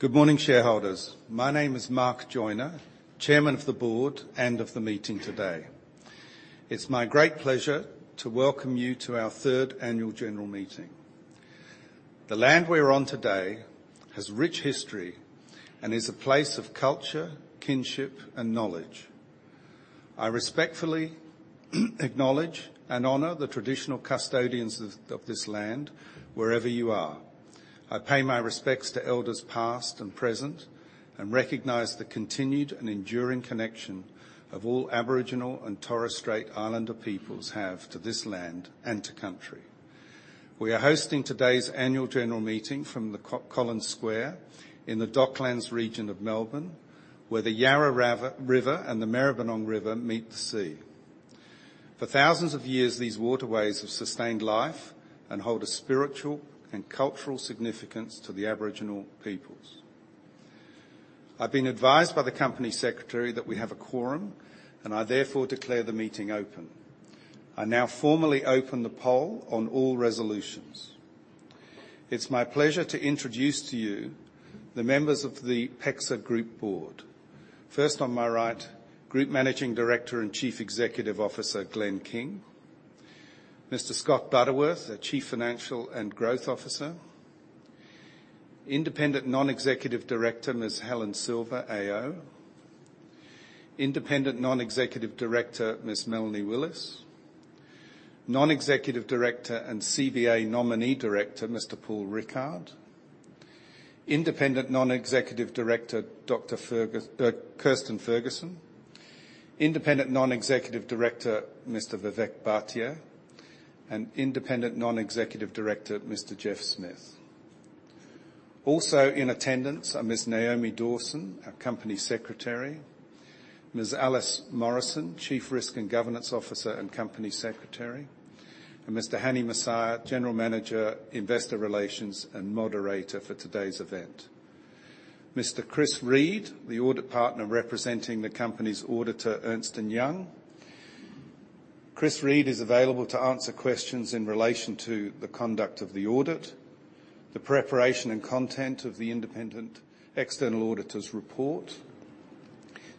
Good morning, shareholders. My name is Mark Joiner, Chairman of the board and of the meeting today. It's my great pleasure to welcome you to our third annual general meeting. The land we're on today has rich history and is a place of culture, kinship, and knowledge. I respectfully acknowledge and honor the traditional custodians of this land, wherever you are. I pay my respects to elders past and present and recognize the continued and enduring connection of all Aboriginal and Torres Strait Islander peoples have to this land and to country. We are hosting today's annual general meeting from Collins Square in the Docklands region of Melbourne, where the Yarra River and the Maribyrnong River meet the sea. For thousands of years, these waterways have sustained life and hold a spiritual and cultural significance to the Aboriginal peoples. I've been advised by the company secretary that we have a quorum, and I therefore declare the meeting open. I now formally open the poll on all resolutions. It's my pleasure to introduce to you the members of the PEXA Group Board. First, on my right, Group Managing Director and Chief Executive Officer, Glenn King; Mr. Scott Butterworth, the Chief Financial and Growth Officer; Independent Non-Executive Director, Ms. Helen Silver AO; Independent Non-Executive Director, Ms. Melanie Willis; Non-Executive Director and CBA Nominee Director, Mr. Paul Rickard; Independent Non-Executive Director, Ms. Kirstin Ferguson; Independent Non-Executive Director, Mr. Vivek Bhatia; and Independent Non-Executive Director, Mr. Geoff Smith. Also in attendance are Ms. Naomi Dawson, our Company Secretary; Ms. Alice Morrison, Chief Risk and Governance Officer and Company Secretary; and Mr. Hany Messieh, General Manager, Investor Relations and moderator for today's event. Mr. Chris Reed, the audit partner representing the company's auditor, Ernst & Young. Chris Reed is available to answer questions in relation to the conduct of the audit, the preparation and content of the independent external auditor's report,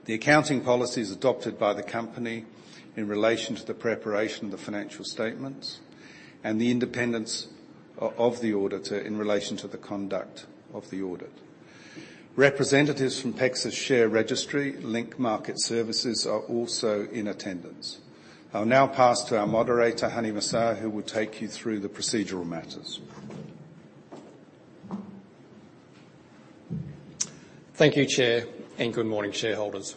the accounting policies adopted by the company in relation to the preparation of the financial statements, and the independence of the auditor in relation to the conduct of the audit. Representatives from PEXA's share registry, Link Market Services, are also in attendance. I'll now pass to our moderator, Hany Messieh, who will take you through the procedural matters. Thank you, Chair, and good morning, shareholders.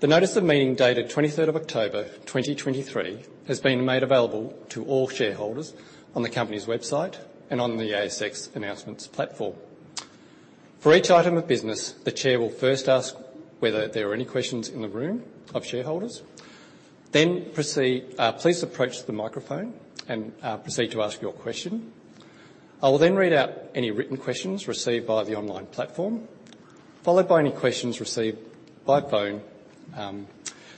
The notice of meeting, dated 23rd of October, 2023, has been made available to all shareholders on the company's website and on the ASX announcements platform. For each item of business, the Chair will first ask whether there are any questions in the room of shareholders, then proceed. Please approach the microphone and proceed to ask your question. I will then read out any written questions received via the online platform, followed by any questions received by phone.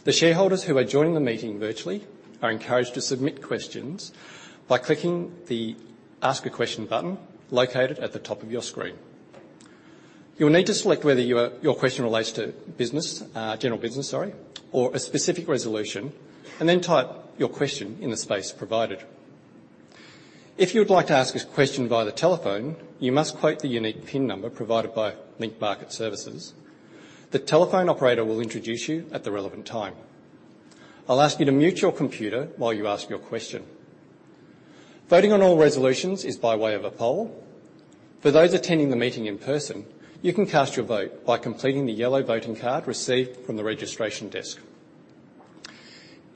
The shareholders who are joining the meeting virtually are encouraged to submit questions by clicking the Ask a Question button located at the top of your screen. You'll need to select whether your, your question relates to business, general business, sorry, or a specific resolution, and then type your question in the space provided. If you would like to ask a question via the telephone, you must quote the unique PIN number provided by Link Market Services. The telephone operator will introduce you at the relevant time. I'll ask you to mute your computer while you ask your question. Voting on all resolutions is by way of a poll. For those attending the meeting in person, you can cast your vote by completing the yellow voting card received from the registration desk.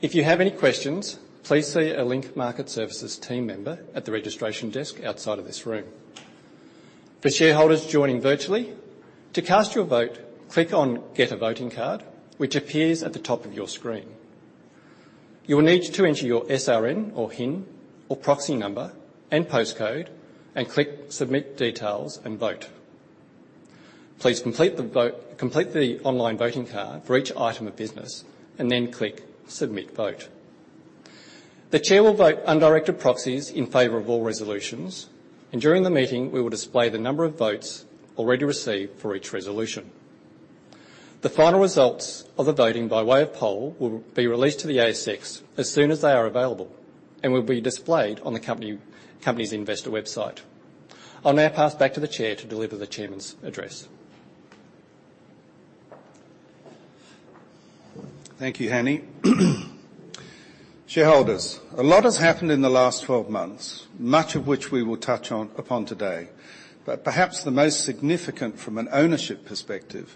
If you have any questions, please see a Link Market Services team member at the registration desk outside of this room. For shareholders joining virtually, to cast your vote, click on Get a Voting Card, which appears at the top of your screen. You will need to enter your SRN or HIN or proxy number and postcode and click Submit Details and Vote. Please complete the vote. Complete the online voting card for each item of business, and then click Submit Vote. The Chair will vote undirected proxies in favor of all resolutions, and during the meeting, we will display the number of votes already received for each resolution. The final results of the voting by way of poll will be released to the ASX as soon as they are available and will be displayed on the company's investor website. I'll now pass back to the Chair to deliver the chairman's address. Thank you, Hany. Shareholders, a lot has happened in the last 12 months, much of which we will touch on upon today. But perhaps the most significant from an ownership perspective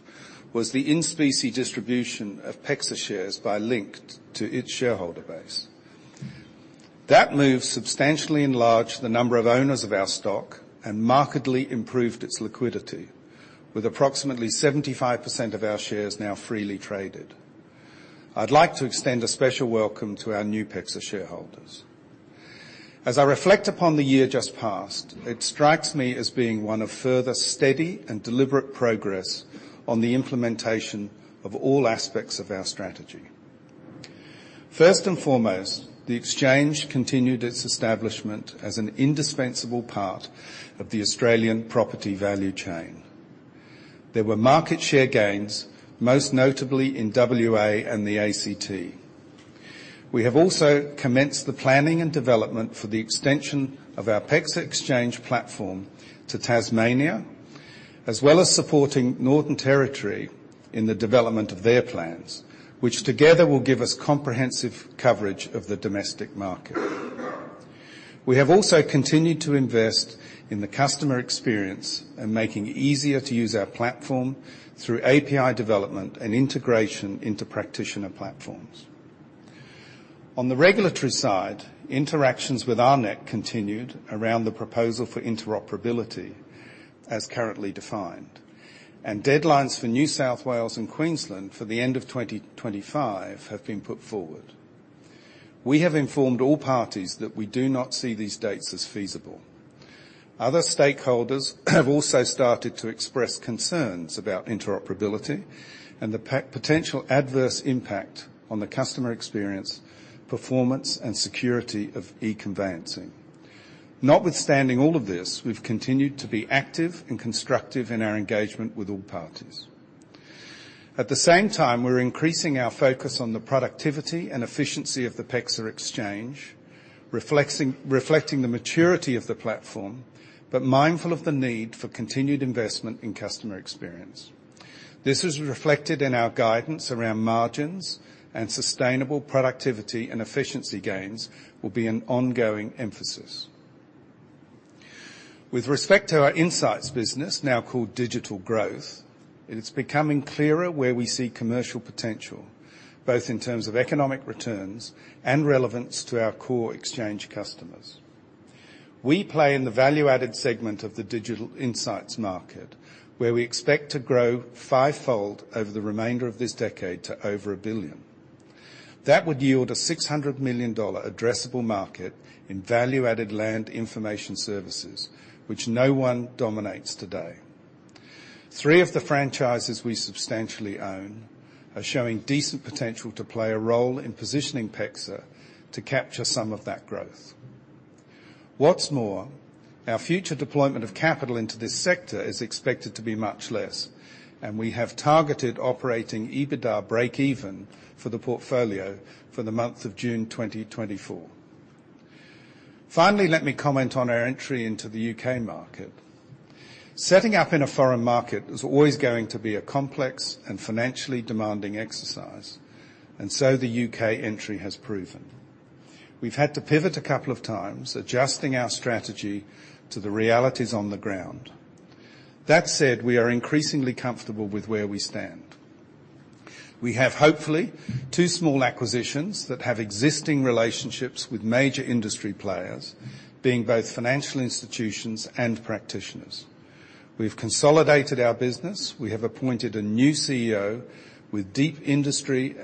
was the in-specie distribution of PEXA shares by Link to its shareholder base. That move substantially enlarged the number of owners of our stock and markedly improved its liquidity, with approximately 75% of our shares now freely traded. I'd like to extend a special welcome to our new PEXA shareholders. As I reflect upon the year just past, it strikes me as being one of further steady and deliberate progress on the implementation of all aspects of our strategy. First and foremost, the exchange continued its establishment as an indispensable part of the Australian property value chain. There were market share gains, most notably in WA and the ACT. We have also commenced the planning and development for the extension of our PEXA Exchange platform to Tasmania, as well as supporting Northern Territory in the development of their plans, which together will give us comprehensive coverage of the domestic market. We have also continued to invest in the customer experience and making it easier to use our platform through API development and integration into practitioner platforms. On the regulatory side, interactions with ARNECC continued around the proposal for interoperability as currently defined, and deadlines for New South Wales and Queensland for the end of 2025 have been put forward. We have informed all parties that we do not see these dates as feasible. Other stakeholders have also started to express concerns about interoperability and the potential adverse impact on the customer experience, performance, and security of e-conveyancing. Notwithstanding all of this, we've continued to be active and constructive in our engagement with all parties. At the same time, we're increasing our focus on the productivity and efficiency of the PEXA Exchange, reflecting the maturity of the platform, but mindful of the need for continued investment in customer experience. This is reflected in our guidance around margins and sustainable productivity and efficiency gains will be an ongoing emphasis. With respect to our insights business, now called Digital Growth, it is becoming clearer where we see commercial potential, both in terms of economic returns and relevance to our core exchange customers. We play in the value-added segment of the digital insights market, where we expect to grow fivefold over the remainder of this decade to over 1 billion. That would yield an 600 million dollar addressable market in value-added land information services, which no one dominates today. Three of the franchises we substantially own are showing decent potential to play a role in positioning PEXA to capture some of that growth. What's more, our future deployment of capital into this sector is expected to be much less, and we have targeted operating EBITDA breakeven for the portfolio for the month of June 2024. Finally, let me comment on our entry into the U.K. market. Setting up in a foreign market is always going to be a complex and financially demanding exercise, and so the U.K. entry has proven. We've had to pivot a couple of times, adjusting our strategy to the realities on the ground. That said, we are increasingly comfortable with where we stand. We have, hopefully, two small acquisitions that have existing relationships with major industry players, being both financial institutions and practitioners. We've consolidated our business. We have appointed a new CEO with deep industry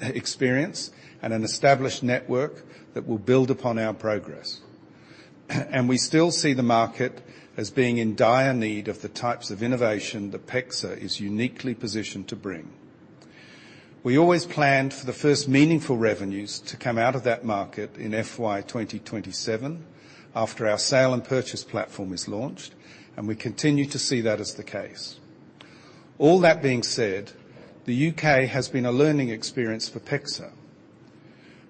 experience and an established network that will build upon our progress. We still see the market as being in dire need of the types of innovation that PEXA is uniquely positioned to bring. We always planned for the first meaningful revenues to come out of that market in FY 2027, after our sale and purchase platform is launched, and we continue to see that as the case. All that being said, the U.K. has been a learning experience for PEXA.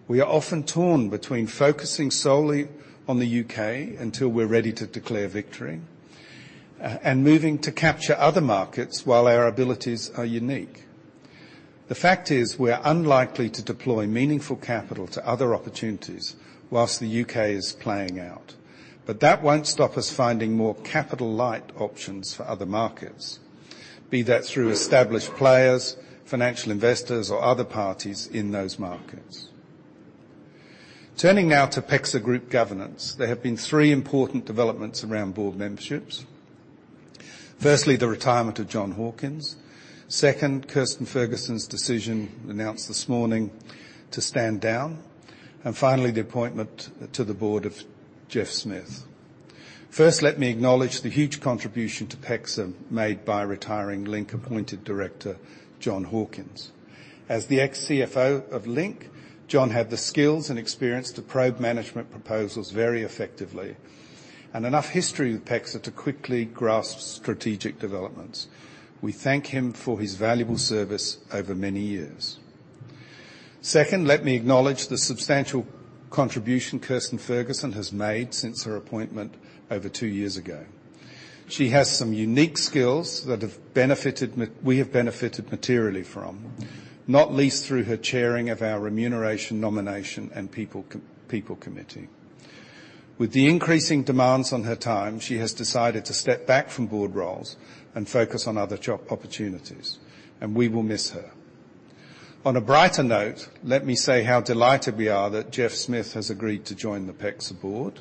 We are often torn between focusing solely on the U.K. until we're ready to declare victory, and moving to capture other markets while our abilities are unique. The fact is, we are unlikely to deploy meaningful capital to other opportunities while the U.K. is playing out, but that won't stop us finding more capital-light options for other markets, be that through established players, financial investors, or other parties in those markets. Turning now to PEXA Group governance, there have been three important developments around board memberships. Firstly, the retirement of John Hawkins. Second, Kirstin Ferguson's decision, announced this morning, to stand down. And finally, the appointment to the board of Geoff Smith. First, let me acknowledge the huge contribution to PEXA made by retiring Link-appointed director, John Hawkins. As the ex-CFO of Link, John had the skills and experience to probe management proposals very effectively, and enough history with PEXA to quickly grasp strategic developments. We thank him for his valuable service over many years. Second, let me acknowledge the substantial contribution Kirstin Ferguson has made since her appointment over two years ago. She has some unique skills that have benefited. We have benefited materially from, not least through her chairing of our Remuneration, Nomination, and People Committee. With the increasing demands on her time, she has decided to step back from board roles and focus on other job opportunities, and we will miss her. On a brighter note, let me say how delighted we are that Geoff Smith has agreed to join the PEXA board,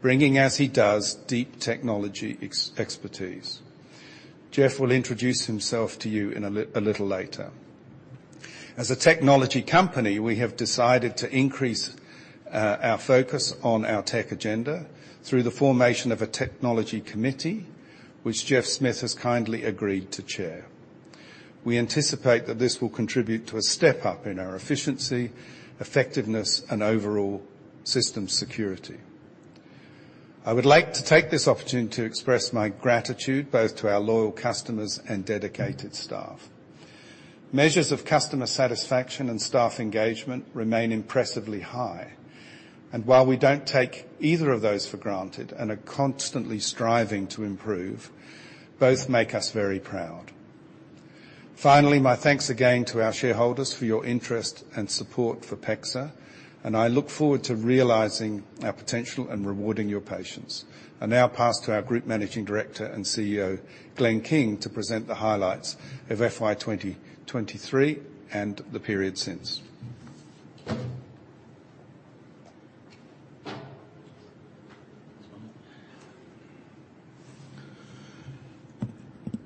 bringing, as he does, deep technology expertise. Geoff will introduce himself to you in a little later. As a technology company, we have decided to increase our focus on our tech agenda through the formation of a Technology Committee, which Geoff Smith has kindly agreed to chair. We anticipate that this will contribute to a step up in our efficiency, effectiveness, and overall system security. I would like to take this opportunity to express my gratitude, both to our loyal customers and dedicated staff. Measures of customer satisfaction and staff engagement remain impressively high, and while we don't take either of those for granted and are constantly striving to improve, both make us very proud. Finally, my thanks again to our shareholders for your interest and support for PEXA, and I look forward to realizing our potential and rewarding your patience. I now pass to our Group Managing Director and CEO, Glenn King, to present the highlights of FY 2023 and the period since.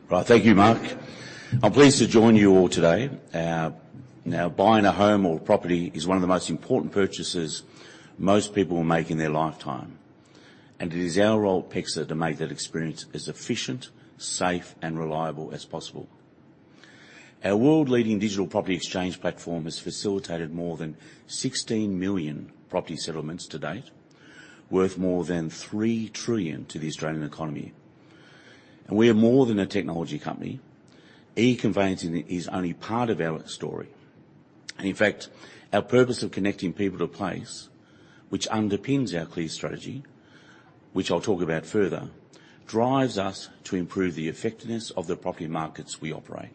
Right. Thank you, Mark. I'm pleased to join you all today. Now, buying a home or property is one of the most important purchases most people will make in their lifetime, and it is our role at PEXA to make that experience as efficient, safe, and reliable as possible. Our world-leading digital property exchange platform has facilitated more than 16 million property settlements to date, worth more than 3 trillion to the Australian economy. We are more than a technology company. e-Conveyancing is only part of our story, and in fact, our purpose of connecting people to place, which underpins our clear strategy, which I'll talk about further, drives us to improve the effectiveness of the property markets we operate.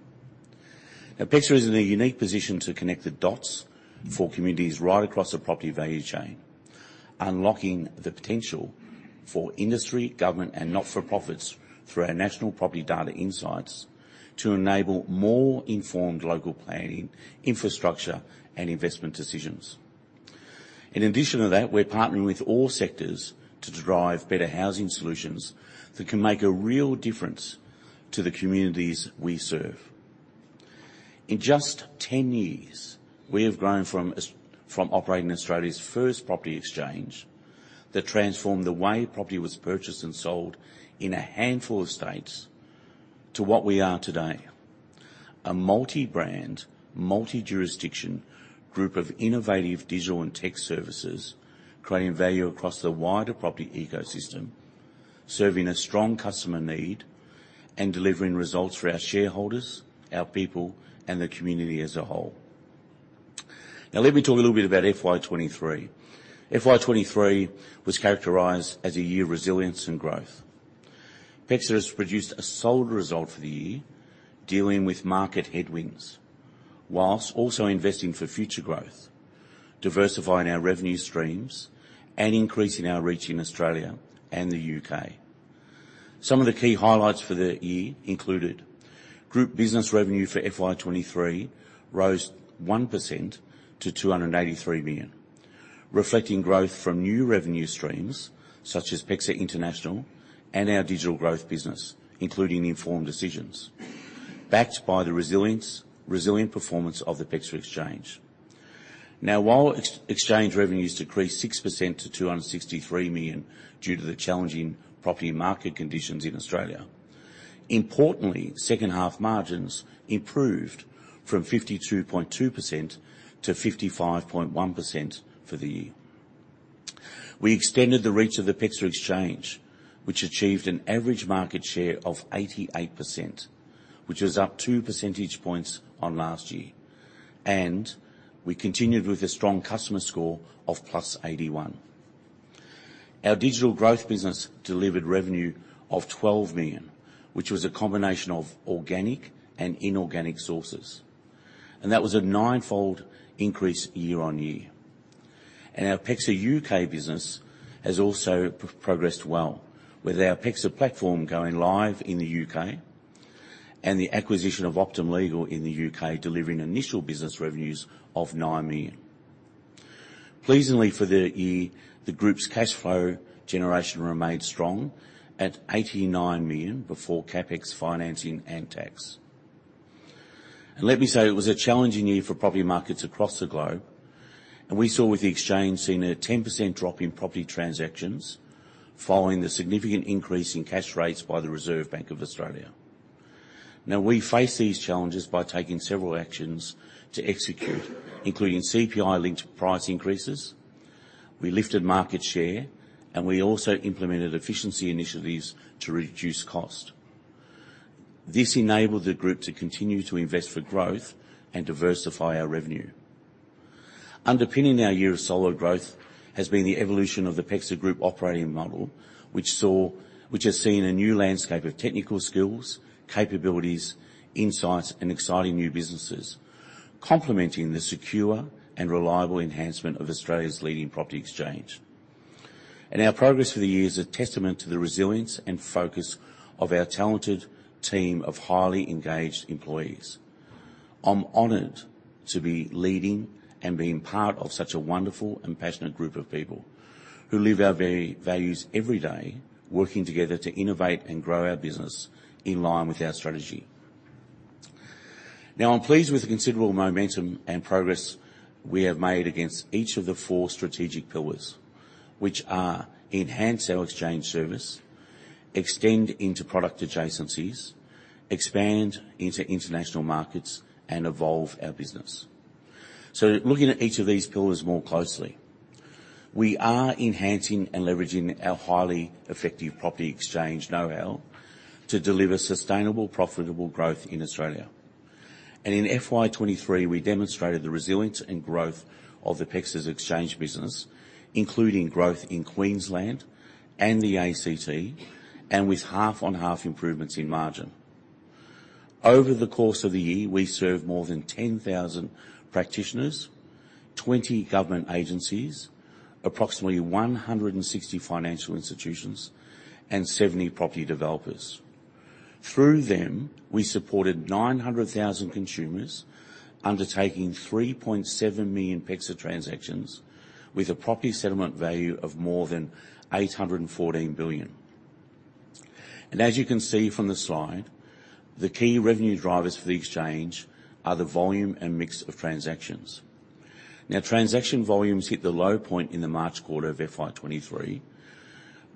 Now, PEXA is in a unique position to connect the dots for communities right across the property value chain, unlocking the potential for industry, government, and not-for-profits through our national property data insights to enable more informed local planning, infrastructure, and investment decisions. In addition to that, we're partnering with all sectors to drive better housing solutions that can make a real difference to the communities we serve. In just 10 years, we have grown from operating Australia's first property exchange that transformed the way property was purchased and sold in a handful of states to what we are today, a multi-brand, multi-jurisdiction group of innovative digital and tech services, creating value across the wider property ecosystem, serving a strong customer need, and delivering results for our shareholders, our people, and the community as a whole. Now, let me talk a little bit about FY 2023. FY 2023 was characterized as a year of resilience and growth. PEXA has produced a solid result for the year, dealing with market headwinds, while also investing for future growth, diversifying our revenue streams, and increasing our reach in Australia and the U.K. Some of the key highlights for the year included: Group business revenue for FY 2023 rose 1% to 283 million, reflecting growth from new revenue streams such as PEXA International and our digital growth business, including Informed Decisions, backed by the resilience, resilient performance of the PEXA Exchange. Now, while ex-exchange revenues decreased 6% to 263 million due to the challenging property market conditions in Australia, importantly, second-half margins improved from 52.2% to 55.1% for the year. We extended the reach of the PEXA Exchange, which achieved an average market share of 88%, which was up two percentage points on last year, and we continued with a strong customer score of +81. Our digital growth business delivered revenue of 12 million, which was a combination of organic and inorganic sources, and that was a ninefold increase year-on-year. And our PEXA U.K. business has also progressed well, with our PEXA platform going live in the U.K. and the acquisition of Optima Legal in the U.K., delivering initial business revenues of 9 million. Pleasingly for the year, the group's cash flow generation remained strong at 89 million before CapEx, financing, and tax. Let me say it was a challenging year for property markets across the globe, and we saw with the exchange seeing a 10% drop in property transactions following the significant increase in cash rates by the Reserve Bank of Australia. Now, we faced these challenges by taking several actions to execute, including CPI-linked price increases. We lifted market share, and we also implemented efficiency initiatives to reduce cost. This enabled the group to continue to invest for growth and diversify our revenue. Underpinning our year of solid growth has been the evolution of the PEXA Group operating model, which has seen a new landscape of technical skills, capabilities, insights, and exciting new businesses, complementing the secure and reliable enhancement of Australia's leading property exchange. Our progress for the year is a testament to the resilience and focus of our talented team of highly engaged employees. I'm honored to be leading and being part of such a wonderful and passionate group of people who live our values every day, working together to innovate and grow our business in line with our strategy. Now, I'm pleased with the considerable momentum and progress we have made against each of the four strategic pillars, which are: enhance our exchange service, extend into product adjacencies, expand into international markets, and evolve our business. So looking at each of these pillars more closely, we are enhancing and leveraging our highly effective property exchange know-how to deliver sustainable, profitable growth in Australia. And in FY 2023, we demonstrated the resilience and growth of the PEXA Exchange business, including growth in Queensland and the ICT, and with half-on-half improvements in margin. Over the course of the year, we served more than 10,000 practitioners, 20 government agencies, approximately 160 financial institutions, and 70 property developers. Through them, we supported 900,000 consumers undertaking 3.7 million PEXA transactions, with a property settlement value of more than 814 billion. And as you can see from the slide, the key revenue drivers for the exchange are the volume and mix of transactions. Now, transaction volumes hit the low point in the March quarter of FY 2023,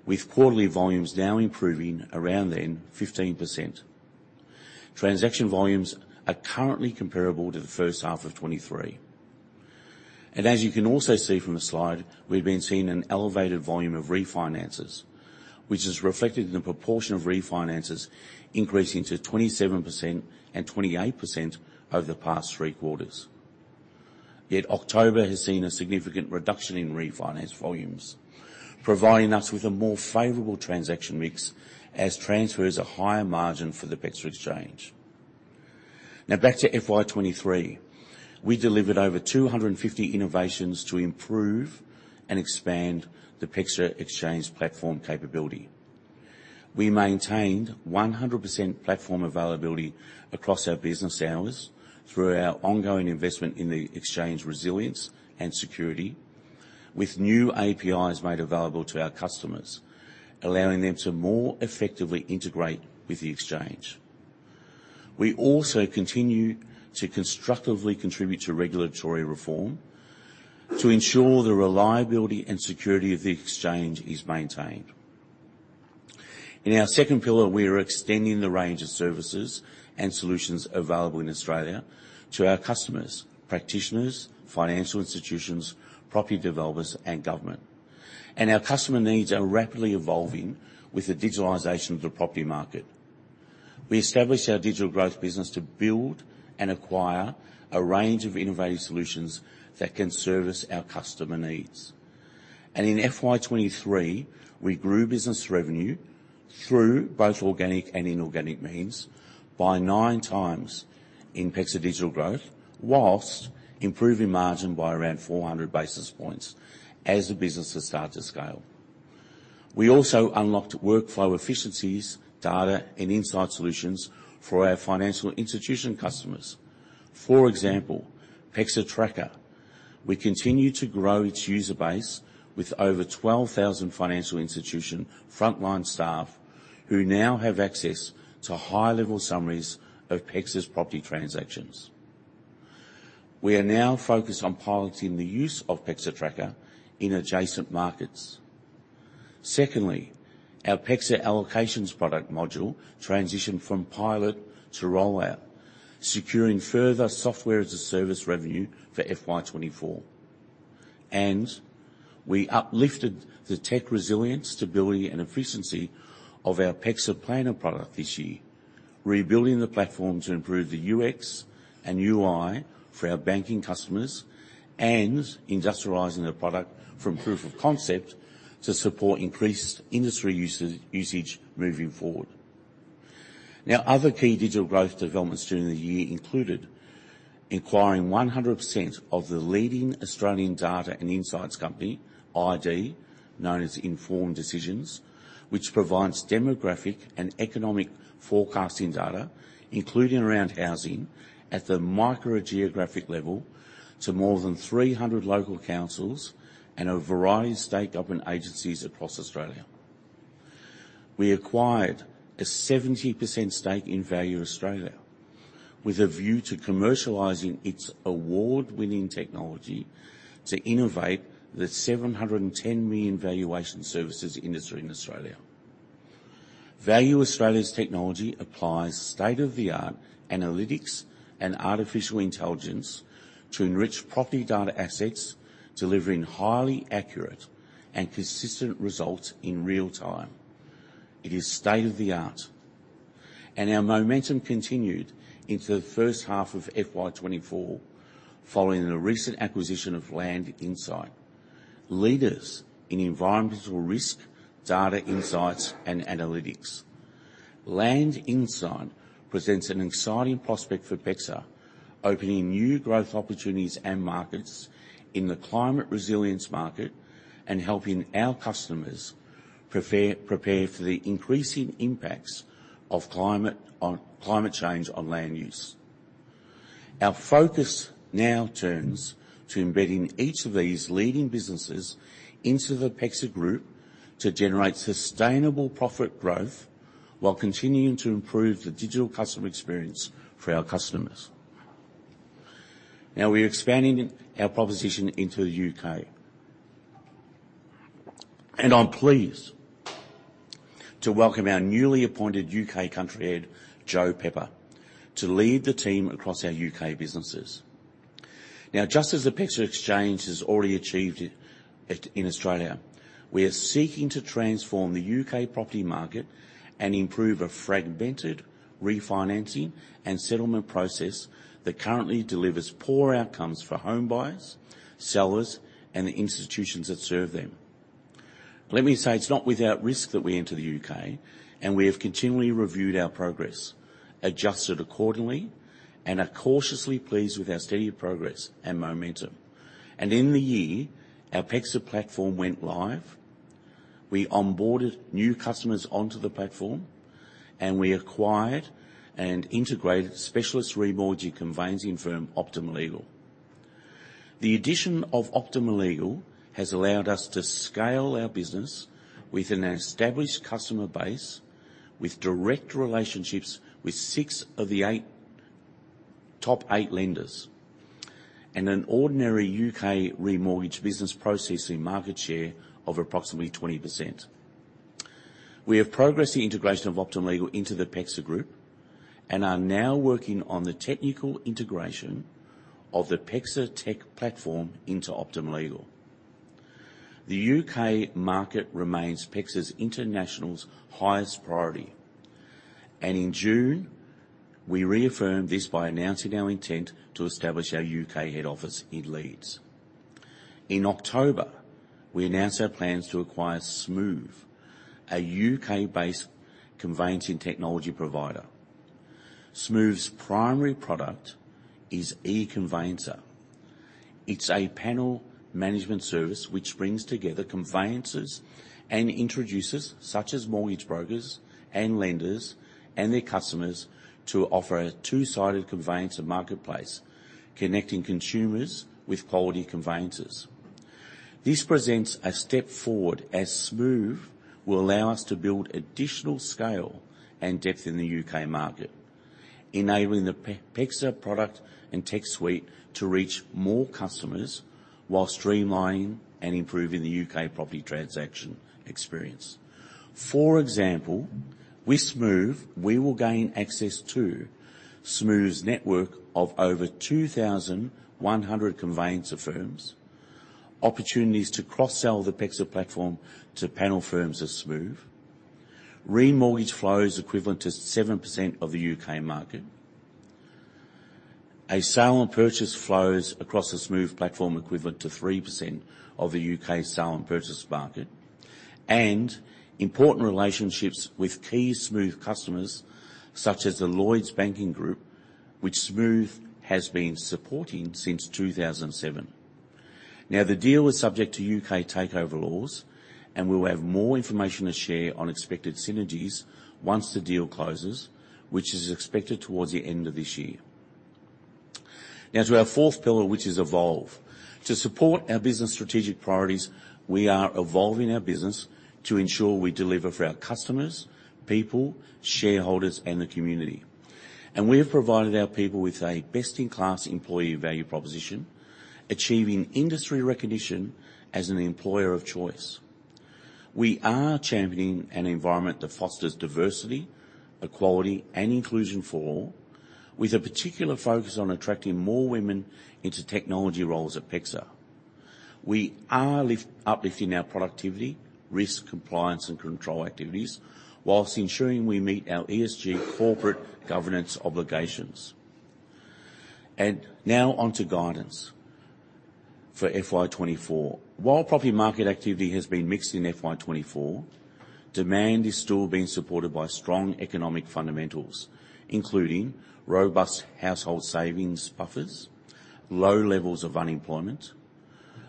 with quarterly volumes now improving around then 15%. Transaction volumes are currently comparable to the first half of 2023. And as you can also see from the slide, we've been seeing an elevated volume of refinances, which is reflected in the proportion of refinances increasing to 27% and 28% over the past three quarters. Yet October has seen a significant reduction in refinance volumes, providing us with a more favorable transaction mix as transfers a higher margin for the PEXA Exchange. Now back to FY 2023. We delivered over 250 innovations to improve and expand the PEXA Exchange platform capability. We maintained 100% platform availability across our business hours through our ongoing investment in the exchange resilience and security, with new APIs made available to our customers, allowing them to more effectively integrate with the exchange. We also continue to constructively contribute to regulatory reform to ensure the reliability and security of the exchange is maintained. In our second pillar, we are extending the range of services and solutions available in Australia to our customers, practitioners, financial institutions, property developers, and government. Our customer needs are rapidly evolving with the digitalization of the property market. We established our digital growth business to build and acquire a range of innovative solutions that can service our customer needs. In FY 2023, we grew business revenue through both organic and inorganic means by nine times in PEXA Digital Growth, while improving margin by around 400 basis points as the business has started to scale. We also unlocked workflow efficiencies, data, and insight solutions for our financial institution customers. For example, PEXA Tracker. We continue to grow its user base with over 12,000 financial institution frontline staff, who now have access to high-level summaries of PEXA's property transactions. We are now focused on piloting the use of PEXA Tracker in adjacent markets. Secondly, our PEXA Allocations product module transitioned from pilot to rollout, securing further software-as-a-service revenue for FY 2024. We uplifted the tech resilience, stability, and efficiency of our PEXA Planner product this year, rebuilding the platform to improve the UX and UI for our banking customers and industrializing the product from proof of concept to support increased industry usage moving forward. Now, other key digital growth developments during the year included acquiring 100% of the leading Australian data and insights company, .id known as Informed Decisions, which provides demographic and economic forecasting data, including around housing, at the micro geographic level to more than 300 local councils and a variety of state government agencies across Australia. We acquired a 70% stake in Value Australia, with a view to commercializing its award-winning technology to innovate the 710 million valuation services industry in Australia. Value Australia's technology applies state-of-the-art analytics and artificial intelligence to enrich property data assets, delivering highly accurate and consistent results in real time. It is state-of-the-art, and our momentum continued into the first half of FY 2024, following the recent acquisition of Land Insight, leaders in environmental risk, data insights, and analytics. Land Insight presents an exciting prospect for PEXA, opening new growth opportunities and markets in the climate resilience market and helping our customers prepare for the increasing impacts of climate change on land use. Our focus now turns to embedding each of these leading businesses into the PEXA Group to generate sustainable profit growth while continuing to improve the digital customer experience for our customers. Now we're expanding our proposition into the UK. I'm pleased to welcome our newly appointed U.K. Country Head, Joe Pepper, to lead the team across our U.K. businesses. Now, just as the PEXA Exchange has already achieved it in Australia, we are seeking to transform the U.K. property market and improve a fragmented refinancing and settlement process that currently delivers poor outcomes for home buyers, sellers, and the institutions that serve them. Let me say, it's not without risk that we enter the U.K., and we have continually reviewed our progress, adjusted accordingly, and are cautiously pleased with our steady progress and momentum. And in the year, our PEXA platform went live. We onboarded new customers onto the platform, and we acquired and integrated specialist remortgaging conveyancing firm, Optima Legal. The addition of Optima Legal has allowed us to scale our business with an established customer base, with direct relationships with six of the top eight lenders, and an ordinary U.K. remortgage business processing market share of approximately 20%. We have progressed the integration of Optima Legal into the PEXA Group and are now working on the technical integration of the PEXA tech platform into Optima Legal. The UK market remains PEXA International's highest priority, and in June, we reaffirmed this by announcing our intent to establish our U.K. head office in Leeds. In October, we announced our plans to acquire Smoove, a U.K.-based conveyancing technology provider. Smoove's primary product is eConveyancer. It's a panel management service which brings together conveyancers and introducers, such as mortgage brokers and lenders and their customers, to offer a two-sided conveyancer marketplace, connecting consumers with quality conveyancers. This presents a step forward as Smoove will allow us to build additional scale and depth in the U.K. market, enabling the PEXA product and tech suite to reach more customers while streamlining and improving the U.K. property transaction experience. For example, with Smoove, we will gain access to Smoove's network of over 2,100 conveyancer firms, opportunities to cross-sell the PEXA platform to panel firms of Smoove, remortgage flows equivalent to 7% of the U.K. market, a sale and purchase flows across the Smoove platform equivalent to 3% of the U.K.'s sale and purchase market, and important relationships with key Smoove customers, such as the Lloyds Banking Group, which Smoove has been supporting since 2007. Now, the deal is subject to U.K. takeover laws, and we will have more information to share on expected synergies once the deal closes, which is expected towards the end of this year. Now to our fourth pillar, which is Evolve. To support our business strategic priorities, we are evolving our business to ensure we deliver for our customers, people, shareholders, and the community. We have provided our people with a best-in-class employee value proposition, achieving industry recognition as an employer of choice. We are championing an environment that fosters diversity, equality, and inclusion for all, with a particular focus on attracting more women into technology roles at PEXA. We are uplifting our productivity, risk, compliance, and control activities while ensuring we meet our ESG corporate governance obligations. Now onto guidance for FY 2024. While property market activity has been mixed in FY 2024, demand is still being supported by strong economic fundamentals, including robust household savings buffers, low levels of unemployment,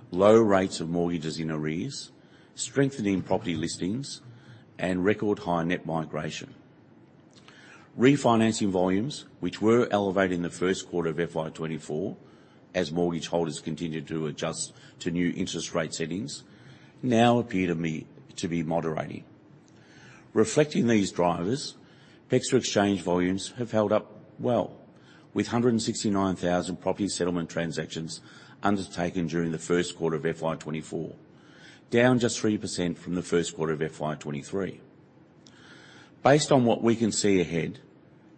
low rates of mortgages in arrears, strengthening property listings, and record high net migration. Refinancing volumes, which were elevated in the first quarter of FY 2024, as mortgage holders continued to adjust to new interest rate settings, now appear to me to be moderating. Reflecting these drivers, PEXA Exchange volumes have held up well, with 169,000 property settlement transactions undertaken during the first quarter of FY 2024, down just 3% from the first quarter of FY 2023. Based on what we can see ahead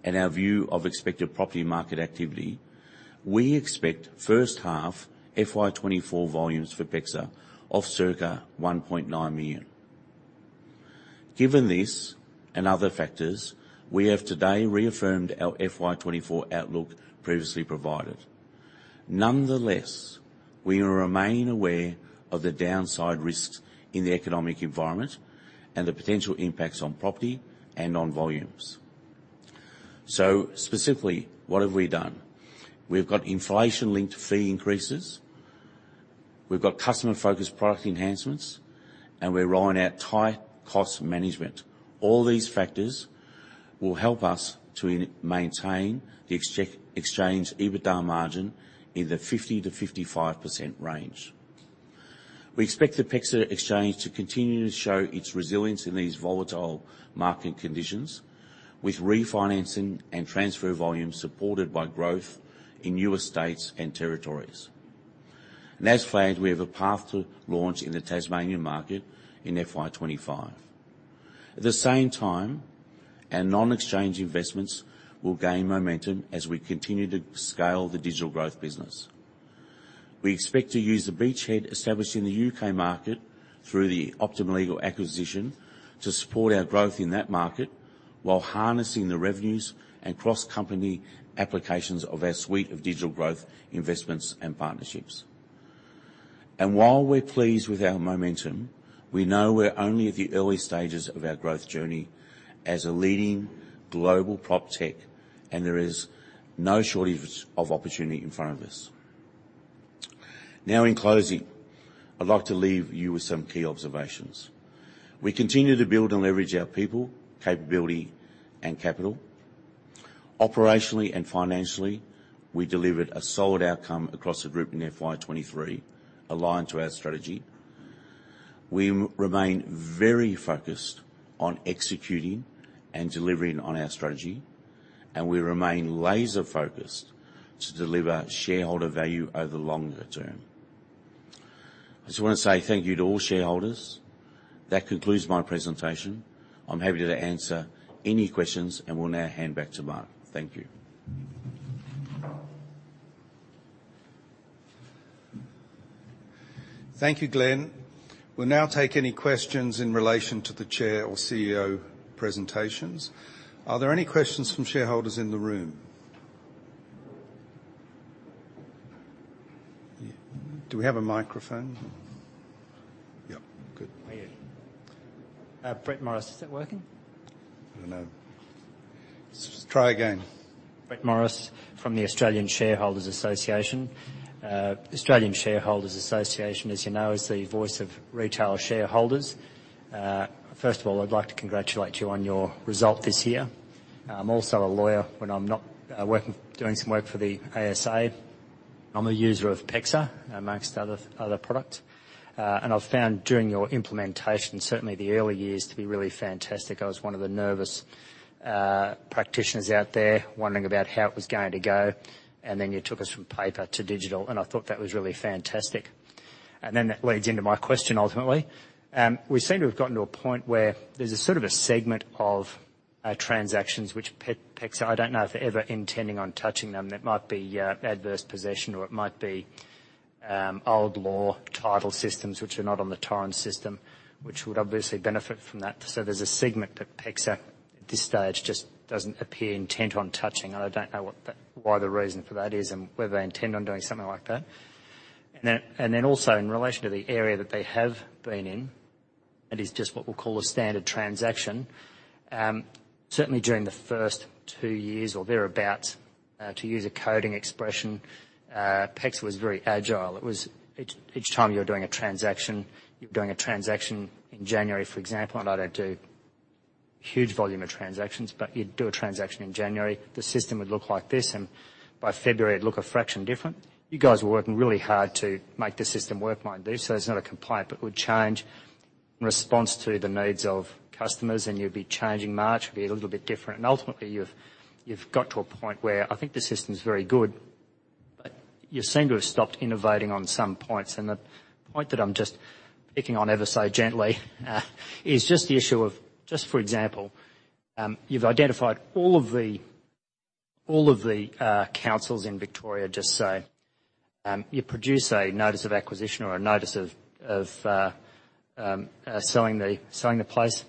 and our view of expected property market activity, we expect first half FY 2024 volumes for PEXA of circa 1.9 million. Given this and other factors, we have today reaffirmed our FY 2024 outlook previously provided. Nonetheless, we will remain aware of the downside risks in the economic environment and the potential impacts on property and on volumes. So specifically, what have we done? We've got inflation-linked fee increases, we've got customer-focused product enhancements, and we're rolling out tight cost management. All these factors will help us to maintain the exchange EBITDA margin in the 50%-55% range. We expect the PEXA Exchange to continue to show its resilience in these volatile market conditions, with refinancing and transfer volumes supported by growth in newer states and territories. As flagged, we have a path to launch in the Tasmanian market in FY 2025. At the same time, our non-exchange investments will gain momentum as we continue to scale the digital growth business. We expect to use the beachhead established in the U.K. market through the Optima Legal acquisition to support our growth in that market, while harnessing the revenues and cross-company applications of our suite of digital growth investments and partnerships. While we're pleased with our momentum, we know we're only at the early stages of our growth journey as a leading global proptech, and there is no shortage of opportunity in front of us. Now, in closing, I'd like to leave you with some key observations. We continue to build and leverage our people, capability, and capital. Operationally and financially, we delivered a solid outcome across the group in FY 2023, aligned to our strategy. We remain very focused on executing and delivering on our strategy, and we remain laser focused to deliver shareholder value over the longer term. I just want to say thank you to all shareholders. That concludes my presentation. I'm happy to answer any questions, and will now hand back to Mark. Thank you. Thank you, Glenn. We'll now take any questions in relation to the chair or CEO presentations. Are there any questions from shareholders in the room? Do we have a microphone? Yeah. Good. Brett Morris. Is it working? I don't know. Try again. Brett Morris from the Australian Shareholders Association. Australian Shareholders Association, as you know, is the voice of retail shareholders. First of all, I'd like to congratulate you on your result this year. I'm also a lawyer. When I'm not working, doing some work for the ASA, I'm a user of PEXA, among other products. And I've found during your implementation, certainly the early years, to be really fantastic. I was one of the nervous practitioners out there wondering about how it was going to go, and then you took us from paper to digital, and I thought that was really fantastic. And then that leads into my question ultimately. We seem to have gotten to a point where there's a sort of a segment of transactions which PEXA, I don't know if they're ever intending on touching them. It might be adverse possession, or it might be old law title systems, which are not on the Torrens system, which would obviously benefit from that. So there's a segment that PEXA, at this stage, just doesn't appear intent on touching, and I don't know what the why the reason for that is, and whether they intend on doing something like that. And then, and then also in relation to the area that they have been in, that is just what we'll call a standard transaction. Certainly during the first two years or thereabout, to use a coding expression, PEXA was very agile. It was each time you were doing a transaction, you were doing a transaction in January, for example, and I don't do huge volume of transactions, but you'd do a transaction in January, the system would look like this, and by February, it'd look a fraction different. You guys were working really hard to make the system work like this, so it's not a complaint, but it would change in response to the needs of customers, and you'd be changing March, it'd be a little bit different. Ultimately, you've got to a point where I think the system is very good, but you seem to have stopped innovating on some points. And the point that I'm just picking on ever so gently is just the issue of, just for example, you've identified all of the councils in Victoria, just so you produce a notice of acquisition or a notice of selling the place.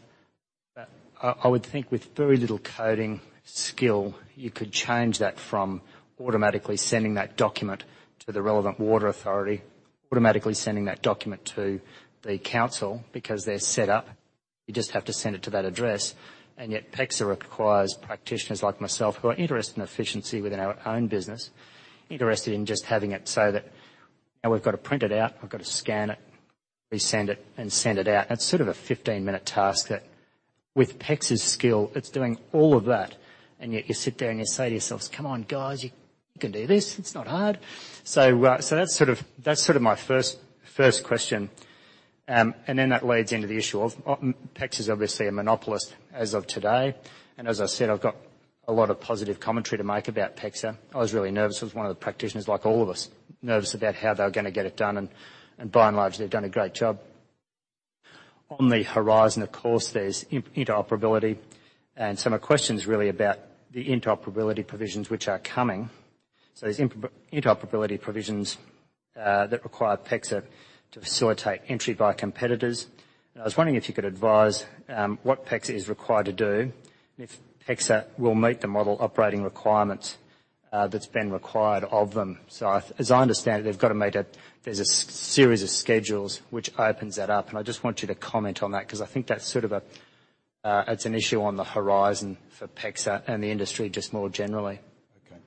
But I would think with very little coding skill, you could change that from automatically sending that document to the relevant water authority, automatically sending that document to the council, because they're set up. You just have to send it to that address. And yet, PEXA requires practitioners like myself, who are interested in efficiency within our own business, interested in just having it so that now we've got to print it out, I've got to scan it, resend it and send it out. That's sort of a 15-minute task that with PEXA's skill, it's doing all of that, and yet you sit there and you say to yourselves: "Come on, guys, you can do this. It's not hard." So that's sort of my first question. And then that leads into the issue of PEXA is obviously a monopolist as of today, and as I said, I've got a lot of positive commentary to make about PEXA. I was really nervous. I was one of the practitioners, like all of us, nervous about how they were going to get it done, and by and large, they've done a great job. On the horizon, of course, there's interoperability, and some are questions really about the interoperability provisions which are coming. So there's interoperability provisions that require PEXA to facilitate entry by competitors. I was wondering if you could advise what PEXA is required to do, and if PEXA will meet the Model Operating Requirements that's been required of them. So as I understand it, they've got to meet a series of schedules which opens that up, and I just want you to comment on that, 'cause I think that's sort of a, it's an issue on the horizon for PEXA and the industry, just more generally. Okay.